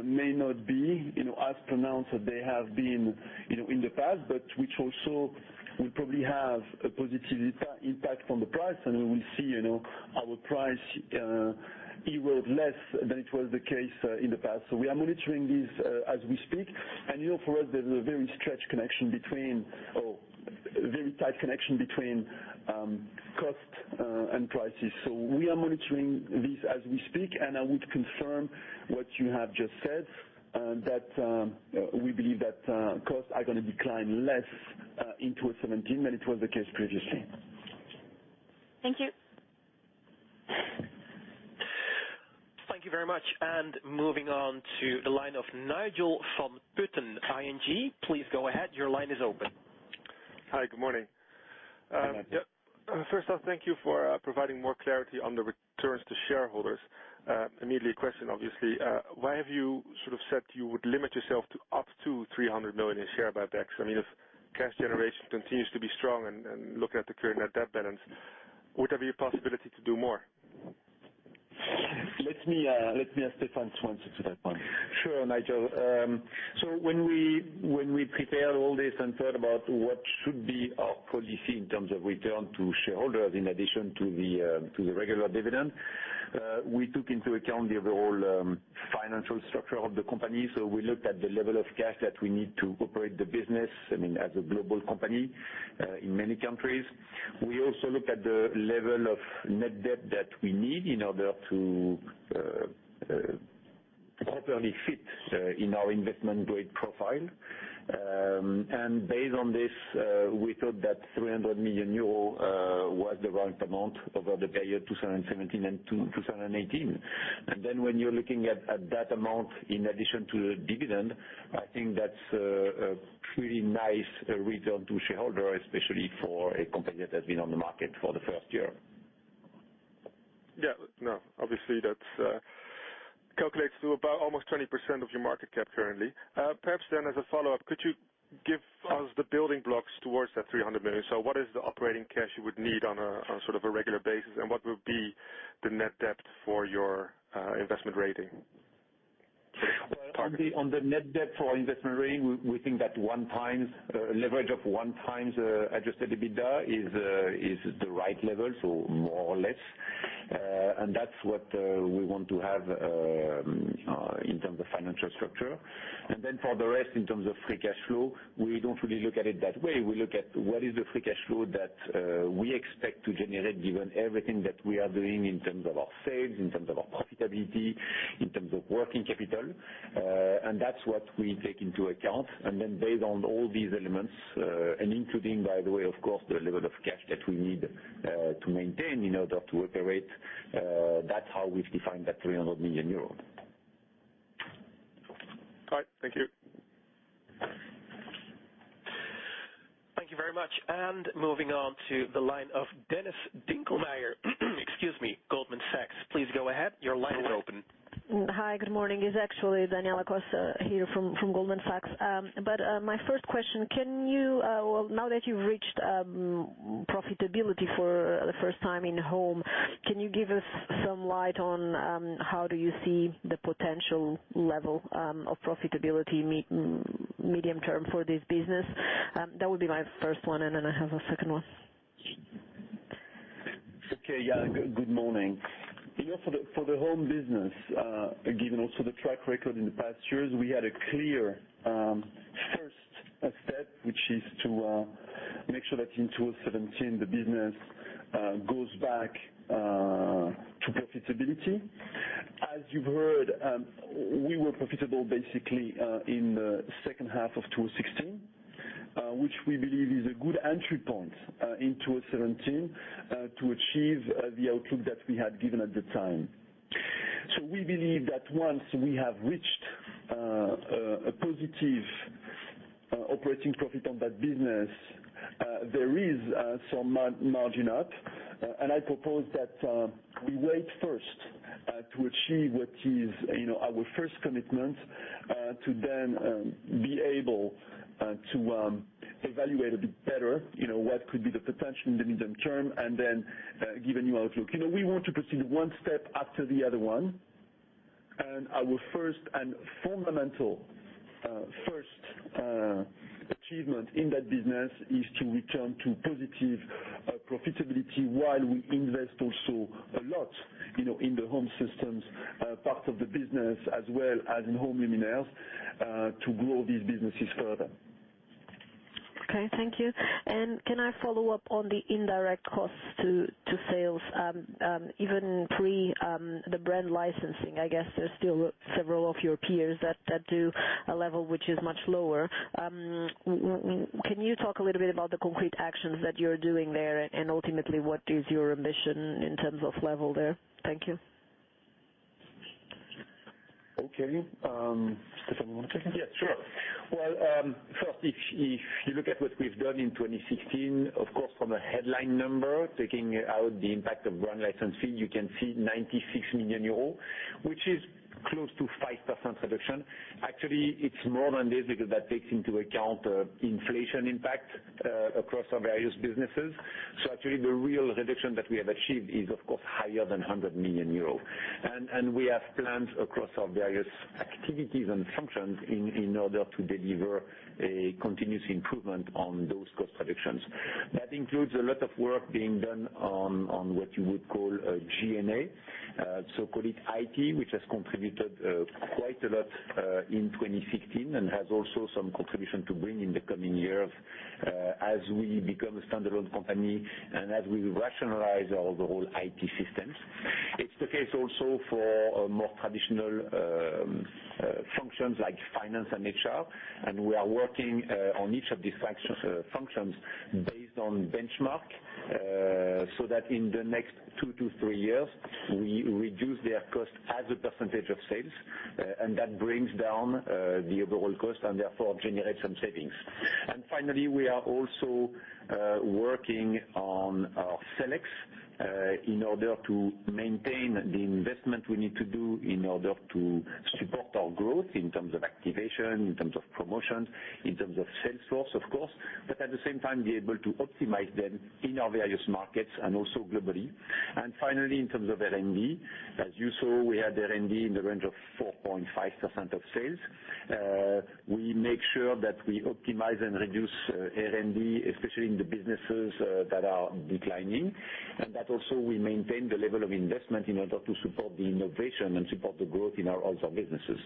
[SPEAKER 3] may not be as pronounced as they have been in the past, which also will probably have a positive impact on the price. We will see our price erode less than it was the case in the past. We are monitoring this as we speak. For us, there's a very stretched connection between our Very tight connection between cost and prices. We are monitoring this as we speak, I would confirm what you have just said, that we believe that costs are going to decline less in 2017 than it was the case previously.
[SPEAKER 7] Thank you.
[SPEAKER 1] Thank you very much. Moving on to the line of Nigel van Putten, ING. Please go ahead. Your line is open.
[SPEAKER 8] Hi. Good morning.
[SPEAKER 2] Good morning.
[SPEAKER 8] First off, thank you for providing more clarity on the returns to shareholders. Immediately a question, obviously. Why have you said you would limit yourself to up to 300 million in share buybacks? If cash generation continues to be strong and looking at the current net debt balance, what are your possibility to do more?
[SPEAKER 3] Let me ask Stéphane to answer to that one. Sure, Nigel. When we prepared all this and thought about what should be our policy in terms of return to shareholders, in addition to the regular dividend, we took into account the overall financial structure of the company. We looked at the level of cash that we need to operate the business as a global company in many countries. We also looked at the level of net debt that we need in order to properly fit in our investment grade profile. Based on this, we thought that 300 million euro was the right amount over the period 2017 and 2018. When you're looking at that amount in addition to the dividend, I think that's a pretty nice return to shareholder, especially for a company that has been on the market for the first year.
[SPEAKER 8] Yeah. Obviously that calculates to about almost 20% of your market cap currently. Perhaps then as a follow-up, could you give us the building blocks towards that 300 million? What is the operating cash you would need on a regular basis, and what would be the net debt for your investment rating?
[SPEAKER 4] On the net debt for our investment rating, we think that a leverage of one times adjusted EBITDA is the right level. More or less. That's what we want to have in terms of financial structure. For the rest, in terms of free cash flow, we don't really look at it that way. We look at what is the free cash flow that we expect to generate given everything that we are doing in terms of our sales, in terms of our profitability, in terms of working capital. That's what we take into account. Based on all these elements, and including, by the way, of course, the level of cash that we need to maintain in order to operate, that's how we've defined that 300 million euro.
[SPEAKER 8] All right. Thank you.
[SPEAKER 1] Thank you very much. Moving on to the line of Dennis Dinkelmeyer, excuse me, Goldman Sachs. Please go ahead. Your line is open.
[SPEAKER 9] Hi, good morning. It's actually Daniela Costa here from Goldman Sachs. My first question, now that you've reached profitability for the first time in Home, can you give us some light on how do you see the potential level of profitability medium term for this business? That would be my first one. Then I have a second one.
[SPEAKER 3] Okay. Yeah, good morning. For the Home business, given also the track record in the past years, we had a clear first step, which is to make sure that in 2017, the business goes back to profitability. As you've heard, we were profitable basically in the second half of 2016, which we believe is a good entry point in 2017 to achieve the outlook that we had given at the time. We believe that once we have reached a positive operating profit on that business, there is some margin up. I propose that we wait first to achieve what is our first commitment, to then be able to evaluate a bit better what could be the potential in the medium term, and then give a new outlook. We want to proceed one step after the other one, and our first and fundamental first achievement in that business is to return to positive profitability while we invest also a lot in the Home Systems part of the business as well as in Home Luminaires to grow these businesses further.
[SPEAKER 9] Okay, thank you. Can I follow up on the indirect costs to sales, even pre the brand licensing, I guess there's still several of your peers that do a level which is much lower. Can you talk a little bit about the concrete actions that you're doing there, and ultimately what is your ambition in terms of level there? Thank you.
[SPEAKER 3] Okay. Stéphane, you want to take it? Yeah, sure. Well, first, if you look at what we've done in 2016, of course, from a headline number, taking out the impact of brand licensing, you can see 96 million euros, which is close to 5% reduction. Actually, it's more than this because that takes into account inflation impact across our various businesses. Actually, the real reduction that we have achieved is of course higher than 100 million euros. We have plans across our various activities and functions in order to deliver a continuous improvement on those cost reductions. That includes a lot of work being done on what you would call a G&A. So-called IT, which has contributed quite a lot in 2016 and has also some contribution to bring in the coming years as we become a standalone company and as we rationalize our overall IT systems. It's the case also for more traditional functions like finance and HR, and we are working on each of these functions based on benchmark, so that in the next two to three years, we reduce their cost as a percentage of sales, and that brings down the overall cost and therefore generates some savings. Finally, we are also working on our SG&A in order to maintain the investment we need to do in order to support our growth in terms of activation, in terms of promotions, in terms of sales force, of course, but at the same time, be able to optimize them in our various markets and also globally. Finally, in terms of R&D, as you saw, we had R&D in the range of 4.5% of sales.
[SPEAKER 4] We make sure that we optimize and reduce R&D, especially in the businesses that are declining, and that also we maintain the level of investment in order to support the innovation and support the growth in our other businesses.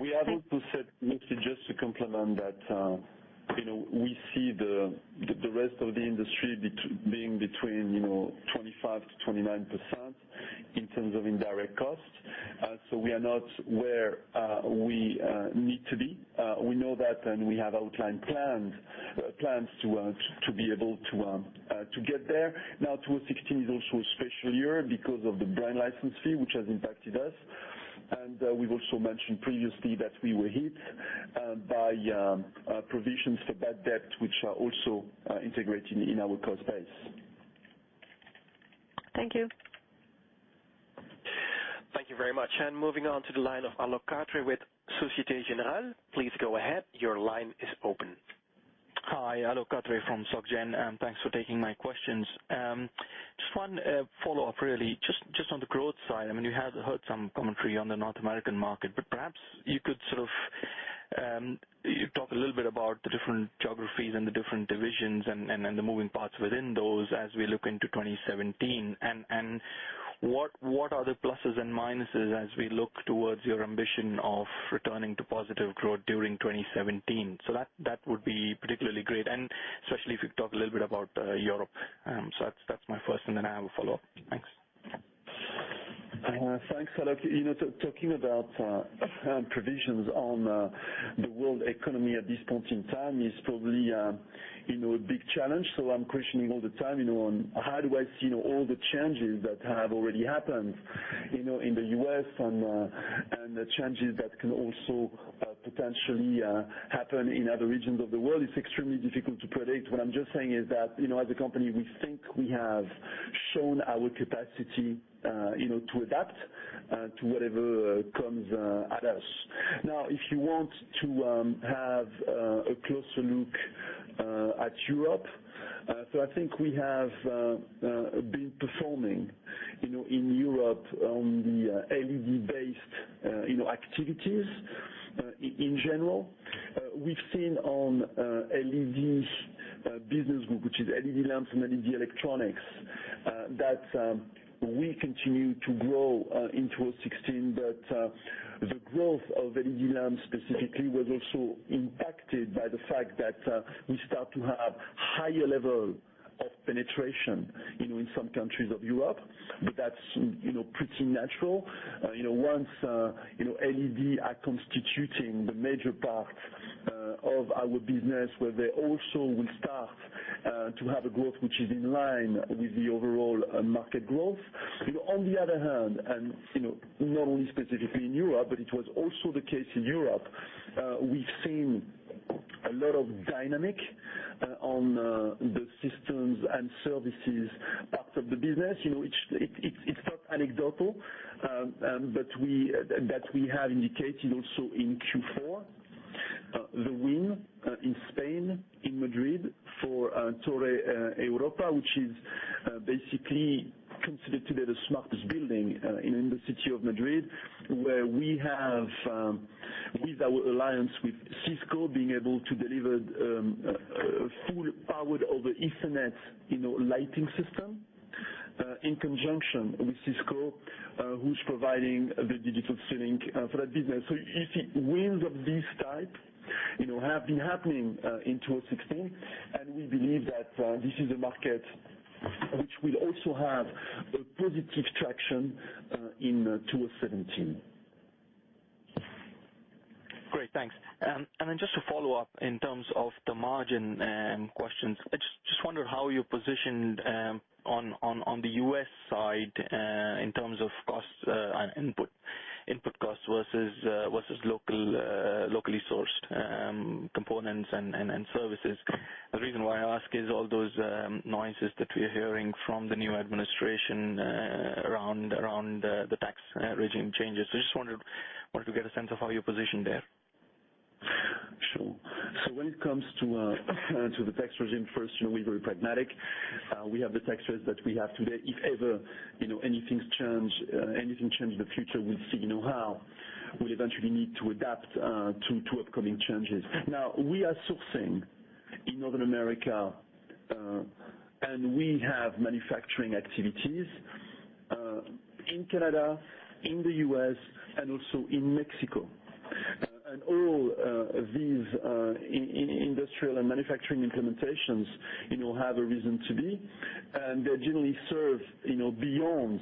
[SPEAKER 3] We have also said, Lucie, just to complement that, we see the rest of the industry being between 25%-29% in terms of indirect costs. We are not where we need to be. We know that, and we have outlined plans to be able to get there. 2016 is also a special year because of the brand license fee, which has impacted us, and we've also mentioned previously that we were hit by provisions for bad debt, which are also integrated in our cost base.
[SPEAKER 9] Thank you.
[SPEAKER 1] Thank you very much. Moving on to the line of Alok Katrey with Societe Generale. Please go ahead. Your line is open.
[SPEAKER 10] Hi, Alok Katrey from Soc Gen. Thanks for taking my questions. Just one follow-up, really. Just on the growth side. You have heard some commentary on the North American market, but perhaps you could talk a little bit about the different geographies and the different divisions and the moving parts within those as we look into 2017. What are the pluses and minuses as we look towards your ambition of returning to positive growth during 2017? That would be particularly great, and especially if you could talk a little bit about Europe. That's my first, and then I have a follow-up. Thanks.
[SPEAKER 3] Thanks, Alok. Talking about provisions on the world economy at this point in time is probably a big challenge. I'm questioning all the time, on how do I see all the changes that have already happened in the U.S. and the changes that can also potentially happen in other regions of the world. It's extremely difficult to predict. What I'm just saying is that, as a company, we think we have shown our capacity to adapt to whatever comes at us. If you want to have a closer look at Europe, I think we have been performing in Europe on the LED-based activities in general. We've seen on LED business group, which is LED lamps and LED electronics, that we continue to grow in 2016. The growth of LED lamps specifically was also impacted by the fact that we start to have higher level of penetration in some countries of Europe, but that's pretty natural. Once LED are constituting the major part of our business, where they also will start to have a growth which is in line with the overall market growth. On the other hand, not only specifically in Europe, but it was also the case in Europe, we've seen a lot of dynamic on the systems and services parts of the business. It's not anecdotal, that we have indicated also in Q4, the win in Spain, in Madrid, for Torre Europa, which is basically considered today the smartest building in the city of Madrid, where we have, with our alliance with Cisco, being able to deliver full powered over Ethernet lighting system, in conjunction with Cisco, who's providing the digital steering for that business. You see wins of this type have been happening in 2016, we believe that this is a market which will also have a positive traction in 2017.
[SPEAKER 10] Great. Thanks. Just to follow up in terms of the margin questions, I just wonder how you're positioned on the U.S. side in terms of input cost versus locally sourced components and services. The reason why I ask is all those noises that we're hearing from the new administration around the tax regime changes. I just wanted to get a sense of how you're positioned there.
[SPEAKER 3] Sure. When it comes to the tax regime, first, we're very pragmatic. We have the taxes that we have today. If ever anything changes in the future, we'll see how we'll eventually need to adapt to upcoming changes. We are sourcing in Northern America, and we have manufacturing activities in Canada, in the U.S., and also in Mexico. All of these industrial and manufacturing implementations have a reason to be, and they generally serve beyond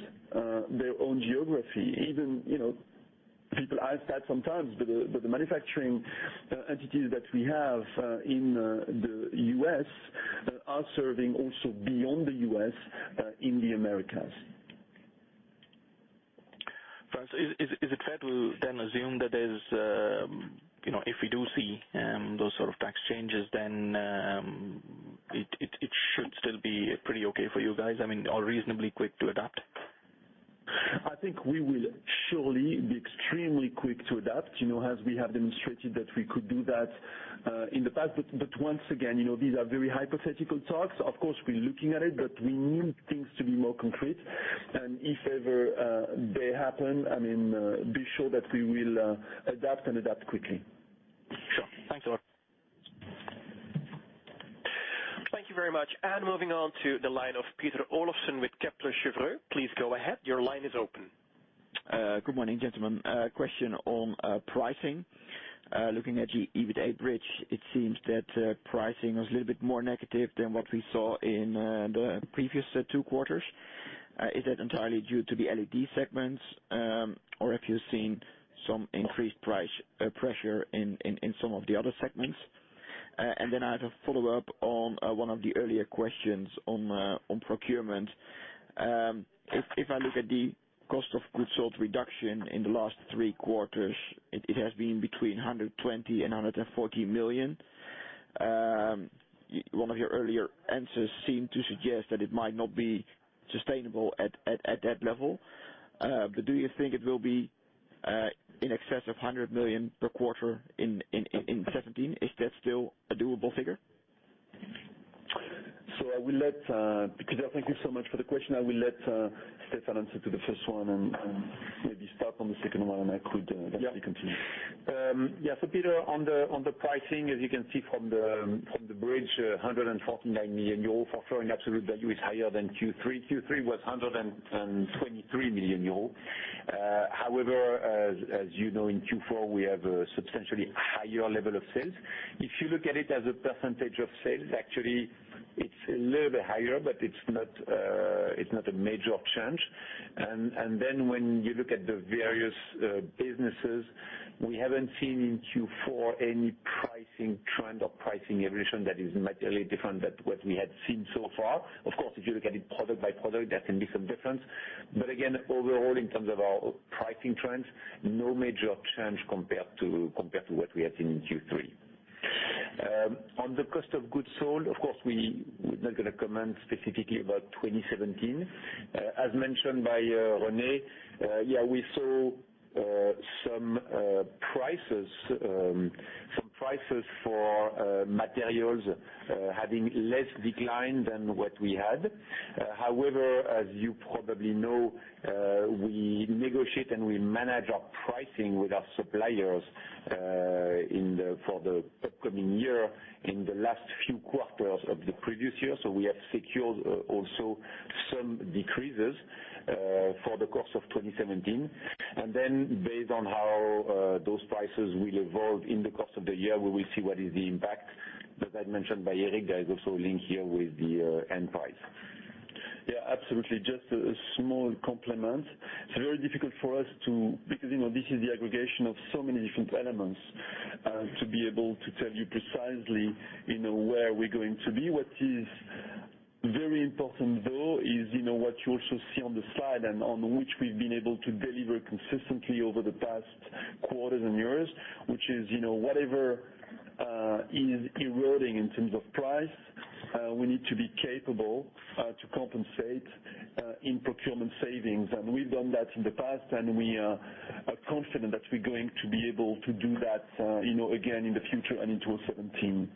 [SPEAKER 3] their own geography. Even people ask that sometimes, but the manufacturing entities that we have in the U.S. are serving also beyond the U.S. in the Americas.
[SPEAKER 10] Frankly, is it fair to then assume that if we do see those sort of tax changes, then it should still be pretty okay for you guys? I mean, or reasonably quick to adapt?
[SPEAKER 3] I think we will surely be extremely quick to adapt, as we have demonstrated that we could do that in the past. Once again, these are very hypothetical talks. Of course, we're looking at it, but we need things to be more concrete. If ever they happen, be sure that we will adapt and adapt quickly.
[SPEAKER 10] Sure. Thanks a lot.
[SPEAKER 1] Thank you very much. Moving on to the line of Peter Olofsen with Kepler Cheuvreux. Please go ahead. Your line is open.
[SPEAKER 11] Good morning, gentlemen. A question on pricing. Looking at the EBITDA bridge, it seems that pricing was a little bit more negative than what we saw in the previous two quarters. Is that entirely due to the LED segments, or have you seen some increased price pressure in some of the other segments? As a follow-up on one of the earlier questions on procurement. If I look at the cost of goods sold reduction in the last three quarters, it has been between 120 million and 140 million. One of your earlier answers seemed to suggest that it might not be sustainable at that level. Do you think it will be in excess of 100 million per quarter in 2017? Is that still a doable figure?
[SPEAKER 3] Peter, thank you so much for the question. I will let Stéphane answer to the first one and maybe start on the second one, I could eventually continue.
[SPEAKER 4] Peter, on the pricing, as you can see from the bridge, 149 million euro for foreign absolute value is higher than Q3. Q3 was 123 million euro. As you know, in Q4, we have a substantially higher level of sales. If you look at it as a percentage of sales, actually it's a little bit higher, but it's not a major change. When you look at the various businesses, we haven't seen in Q4 any pricing trend or pricing evolution that is materially different than what we had seen so far. Of course, if you look at it product by product, there can be some difference. Again, overall in terms of our pricing trends, no major change compared to what we had seen in Q3. On the cost of goods sold, of course, we're not going to comment specifically about 2017. As mentioned by René, yeah, we saw some prices for materials having less decline than what we had. As you probably know, we negotiate and we manage our pricing with our suppliers for the upcoming year in the last few quarters of the previous year. We have secured also some decreases for the course of 2017. Based on how those prices will evolve in the course of the year, we will see what is the impact that was mentioned by Eric. There is also a link here with the end price.
[SPEAKER 3] Yeah, absolutely. Just a small complement. It's very difficult for us to, because this is the aggregation of so many different elements to be able to tell you precisely where we're going to be. What is very important though is what you also see on the slide and on which we've been able to deliver consistently over the past quarters and years. Whatever is eroding in terms of price, we need to be capable to compensate in procurement savings. We've done that in the past, we are confident that we're going to be able to do that again in the future and into 2017.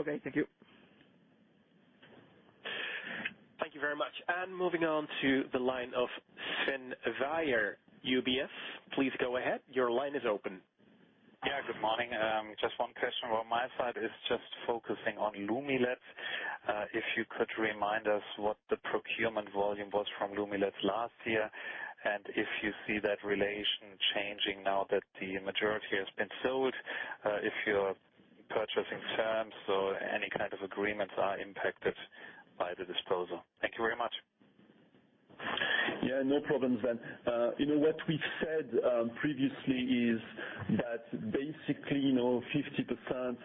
[SPEAKER 11] Okay, thank you.
[SPEAKER 1] Thank you very much. Moving on to the line of Sven Weier, UBS. Please go ahead. Your line is open.
[SPEAKER 12] Yeah, good morning. Just one question on my side. It's just focusing on Lumileds. If you could remind us what the procurement volume was from Lumileds last year, and if you see that relation changing now that the majority has been sold. If your purchasing terms or any kind of agreements are impacted by the disposal. Thank you very much.
[SPEAKER 3] Yeah, no problems Sven. What we've said previously is that basically 50%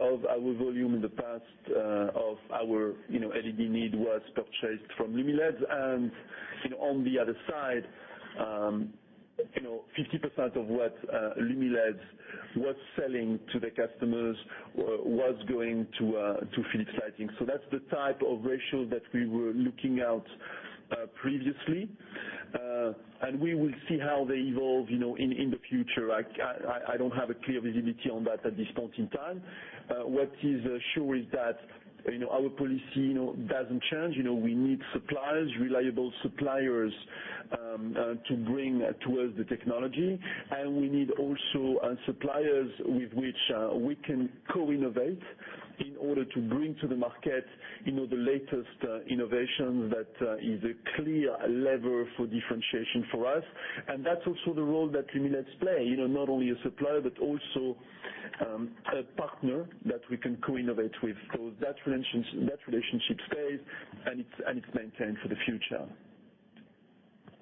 [SPEAKER 3] of our volume in the past of our LED need was purchased from Lumileds. On the other side, 50% of what Lumileds was selling to the customers was going to Philips Lighting. That's the type of ratio that we were looking at previously. We will see how they evolve in the future. I don't have a clear visibility on that at this point in time. What is sure is that our policy doesn't change. We need suppliers, reliable suppliers to bring to us the technology. We need also suppliers with which we can co-innovate in order to bring to the market the latest innovation that is a clear lever for differentiation for us. That's also the role that Lumileds play, not only a supplier, but also a partner that we can co-innovate with. That relationship stays, and it's maintained for the future.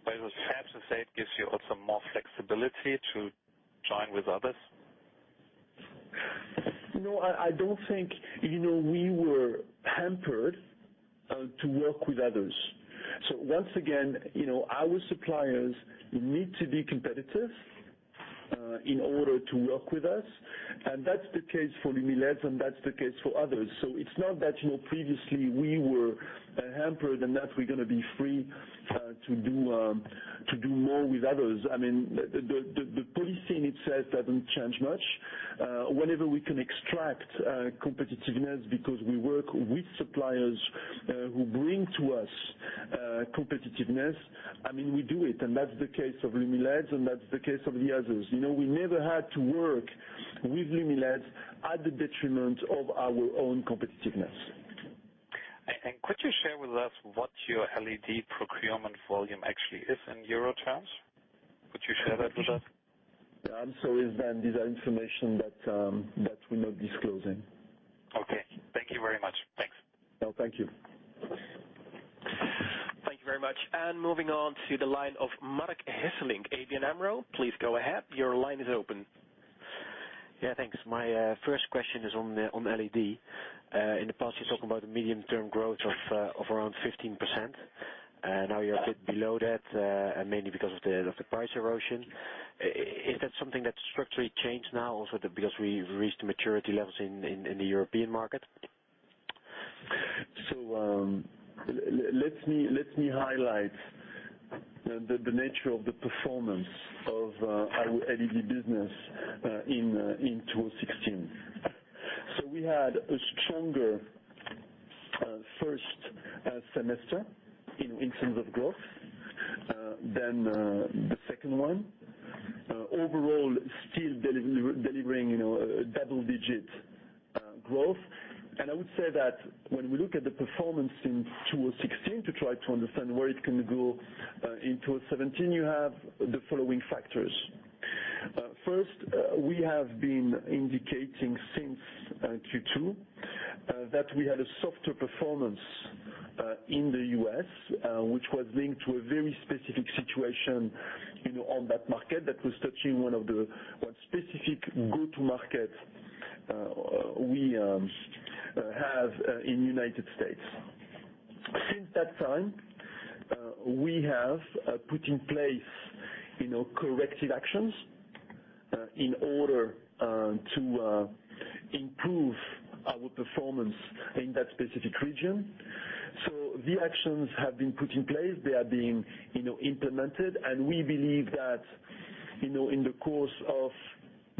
[SPEAKER 12] Is it fair to say it gives you also more flexibility to join with others?
[SPEAKER 3] No, I don't think we were hampered to work with others. Once again, our suppliers need to be competitive in order to work with us. That's the case for Lumileds, and that's the case for others. It's not that previously we were hampered and that we're going to be free to do more with others. The policy in itself doesn't change much. Whenever we can extract competitiveness because we work with suppliers who bring to us competitiveness, we do it. That's the case of Lumileds, and that's the case of the others. We never had to work with Lumileds at the detriment of our own competitiveness.
[SPEAKER 12] Could you share with us what your LED procurement volume actually is in euro terms? Could you share that with us?
[SPEAKER 3] I'm sorry, Sven, these are information that we're not disclosing.
[SPEAKER 12] Okay. Thank you very much. Thanks.
[SPEAKER 3] Thank you.
[SPEAKER 1] Thank you very much. Moving on to the line of Marc Hesselink, ABN AMRO. Please go ahead. Your line is open.
[SPEAKER 13] Yeah, thanks. My first question is on LED. In the past, you talk about the medium-term growth of around 15%, now you're a bit below that, mainly because of the price erosion. Is that something that structurally changed now also because we've reached the maturity levels in the European market?
[SPEAKER 3] Let me highlight the nature of the performance of our LED business in 2016. We had a stronger first semester in terms of growth than the second one. Overall, still delivering double-digit growth. I would say that when we look at the performance in 2016 to try to understand where it can go in 2017, you have the following factors. First, we have been indicating since Q2 that we had a softer performance in the U.S., which was linked to a very specific situation on that market that was touching one specific go-to market we have in the United States. Since that time, we have put in place corrective actions in order to improve our performance in that specific region. The actions have been put in place. They are being implemented. We believe that in the course of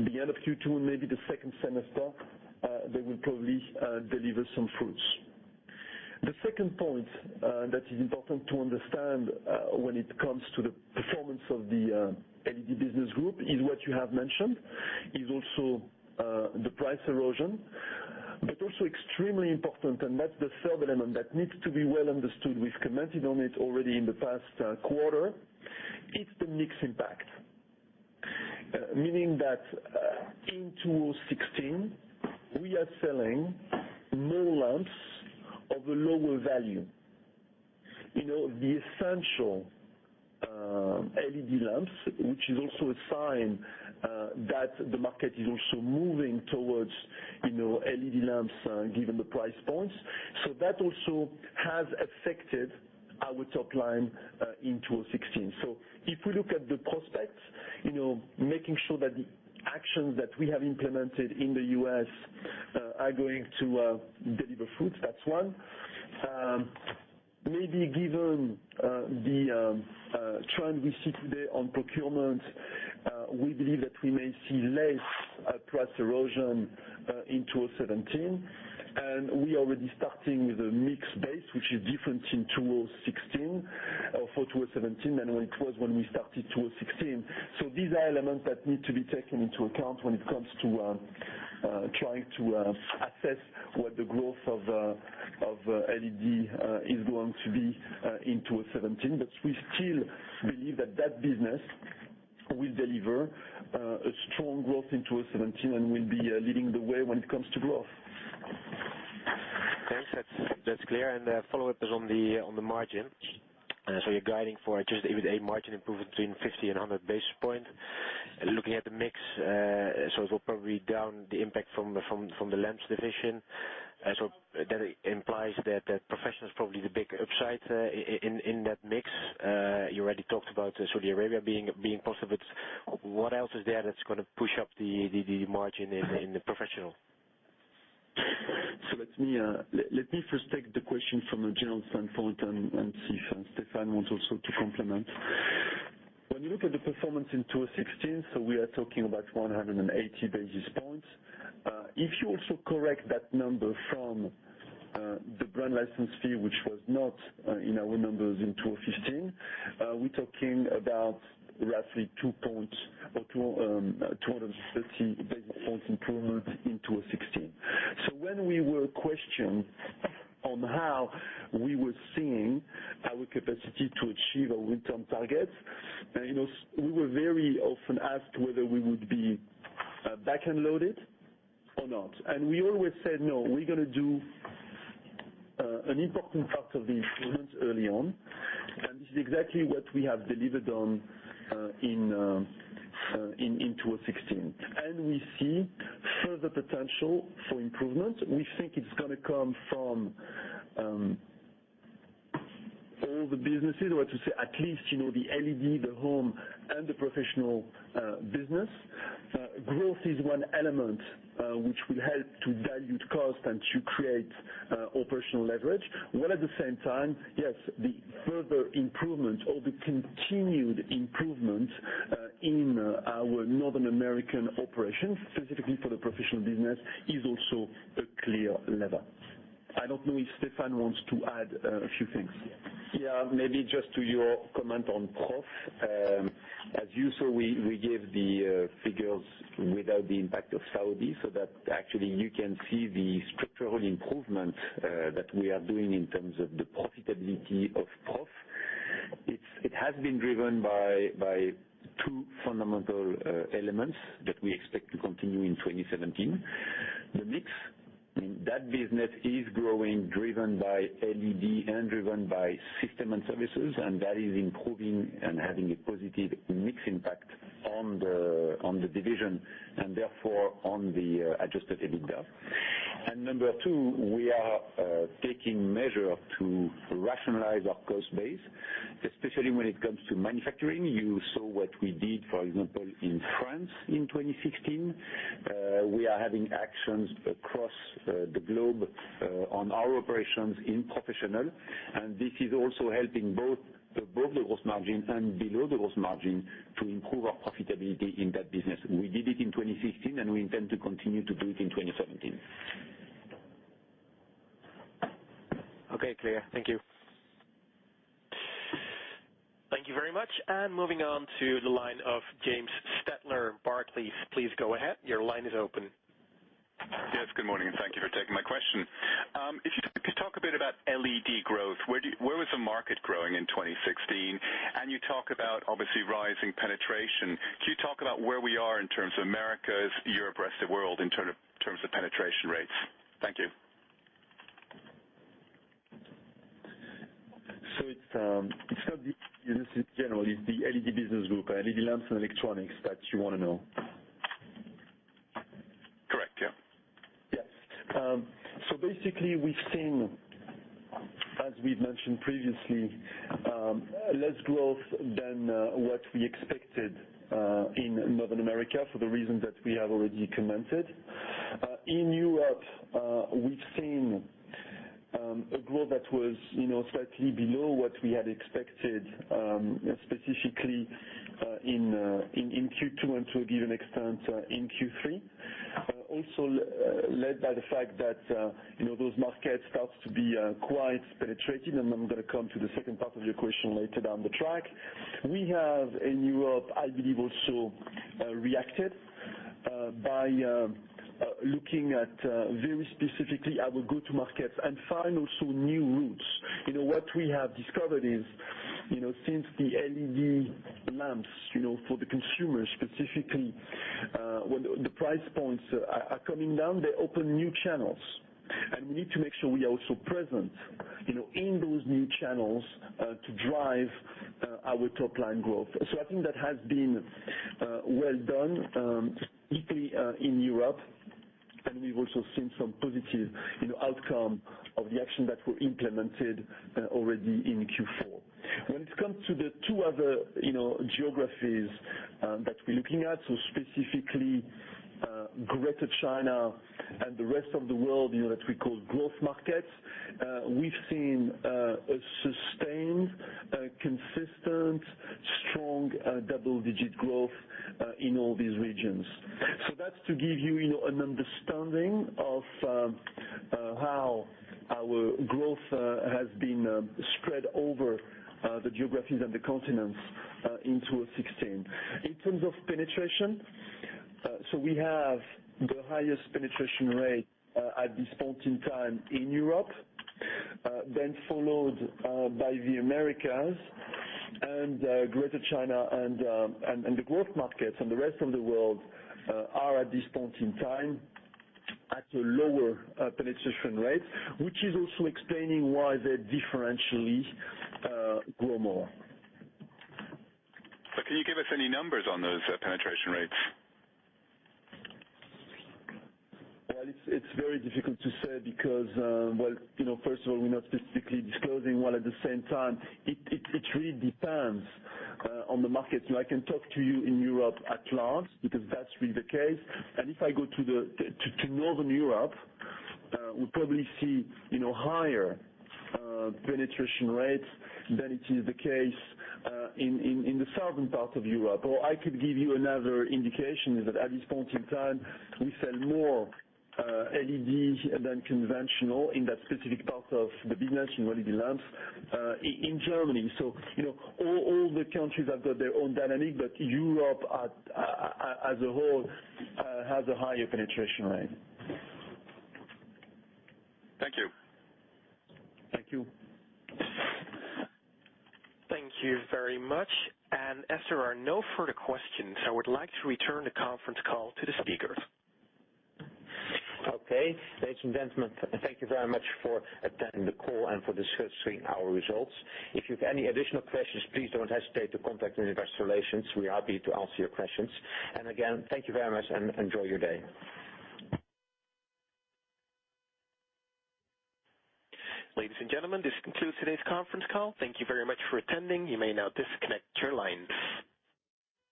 [SPEAKER 3] the end of Q2, maybe the second semester, they will probably deliver some fruits. The second point that is important to understand when it comes to the performance of the LED business group is what you have mentioned, is also the price erosion. Also extremely important, and that's the third element that needs to be well understood. We've commented on it already in the past quarter. It's the mix impact. Meaning that in 2016, we are selling more lamps of a lower value. The essential LED lamps, which is also a sign that the market is also moving towards LED lamps given the price points. That also has affected our top line in 2016. If we look at the prospects, making sure that the actions that we have implemented in the U.S. are going to deliver fruits, that's one. Maybe given the trend we see today on procurement, we believe that we may see less price erosion in 2017. We are already starting with a mixed base, which is different for 2017 than it was when we started 2016. These are elements that need to be taken into account when it comes to trying to assess what the growth of LED is going to be in 2017. We still believe that that business will deliver a strong growth in 2017 and will be leading the way when it comes to growth.
[SPEAKER 13] Thanks. That's clear. A follow-up is on the margin. You're guiding for just EBITDA margin improvement between 50 and 100 basis points. Looking at the mix, it will probably down the impact from the lamps division. That implies that professional is probably the big upside in that mix. You already talked about Saudi Arabia being positive. What else is there that's going to push up the margin in the professional?
[SPEAKER 3] Let me first take the question from a general standpoint and see if Stéphane wants also to complement. When you look at the performance in 2016, we're talking about 180 basis points. If you also correct that number from the brand license fee, which was not in our numbers in 2015, we're talking about roughly two points or 230 basis points improvement in 2016. When we were questioned on how we were seeing our capacity to achieve our return targets, we were very often asked whether we would be back-end loaded or not. We always said, no, we're going to do an important part of the improvements early on, and this is exactly what we have delivered on in 2016. We see further potential for improvements. We think it's going to come from all the businesses, or to say, at least, the LED, the home, and the professional business. Growth is one element which will help to dilute cost and to create operational leverage, while at the same time, yes, the further improvements or the continued improvements in our North American operations, specifically for the professional business, is also a clear lever. I don't know if Stéphane wants to add a few things.
[SPEAKER 4] Maybe just to your comment on Prof. As usual, we gave the figures without the impact of Saudi, that actually you can see the structural improvements that we are doing in terms of the profitability of Prof. It has been driven by two fundamental elements that we expect to continue in 2017. The mix in that business is growing, driven by LED and driven by system and services, and that is improving and having a positive mix impact on the division, and therefore on the adjusted EBITDA. Number two, we are taking measure to rationalize our cost base, especially when it comes to manufacturing. You saw what we did, for example, in France in 2016. We are having actions across the globe on our operations in professional, this is also helping both above the gross margin and below the gross margin to improve our profitability in that business. We did it in 2016, we intend to continue to do it in 2017.
[SPEAKER 1] Okay, clear. Thank you. Thank you very much. Moving on to the line of James Stettler, Barclays. Please go ahead. Your line is open.
[SPEAKER 14] Yes, good morning. Thank you for taking my question. If you could talk a bit about LED growth. Where was the market growing in 2016? You talk about, obviously, rising penetration. Can you talk about where we are in terms of Americas, Europe, rest of the world in terms of penetration rates? Thank you.
[SPEAKER 3] It's not This is general. It's the LED business group, LED lamps and electronics that you want to know.
[SPEAKER 14] Correct. Yeah.
[SPEAKER 3] Yes. Basically, we've seen, as we've mentioned previously, less growth than what we expected in Northern America for the reasons that we have already commented. In Europe, we've seen a growth that was slightly below what we had expected, specifically in Q2, and to a given extent, in Q3. Also led by the fact that those markets start to be quite penetrated, and I'm going to come to the second part of your question later down the track. We have, in Europe, I believe, also reacted by looking at, very specifically, our go-to-markets and find also new routes. What we have discovered is, since the LED lamps for the consumers, specifically, when the price points are coming down, they open new channels. We need to make sure we are also present in those new channels to drive our top-line growth. I think that has been well done, specifically in Europe. We've also seen some positive outcome of the action that were implemented already in Q4. When it comes to the two other geographies that we're looking at, specifically Greater China and the rest of the world that we call growth markets, we've seen a sustained, consistent, strong double-digit growth in all these regions. That's to give you an understanding of how our growth has been spread over the geographies and the continents in 2016. In terms of penetration, we have the highest penetration rate at this point in time in Europe, then followed by the Americas and Greater China. The growth markets and the rest of the world are, at this point in time, at a lower penetration rate, which is also explaining why they differentially grow more.
[SPEAKER 14] Can you give us any numbers on those penetration rates?
[SPEAKER 3] Well, it's very difficult to say because, first of all, we're not specifically disclosing. While at the same time, it really depends on the market. I can talk to you in Europe at large because that's really the case. If I go to Northern Europe, we probably see higher penetration rates than it is the case in the southern part of Europe. Or I could give you another indication, is that at this point in time, we sell more LEDs than conventional in that specific part of the business in LED lamps in Germany. All the countries have got their own dynamic, but Europe as a whole has a higher penetration rate.
[SPEAKER 14] Thank you.
[SPEAKER 3] Thank you.
[SPEAKER 1] Thank you very much. As there are no further questions, I would like to return the conference call to the speakers.
[SPEAKER 2] Okay. Ladies and gentlemen, thank you very much for attending the call and for discussing our results. If you've any additional questions, please don't hesitate to contact Investor Relations. We're happy to answer your questions. Again, thank you very much and enjoy your day.
[SPEAKER 1] Ladies and gentlemen, this concludes today's conference call. Thank you very much for attending. You may now disconnect your lines.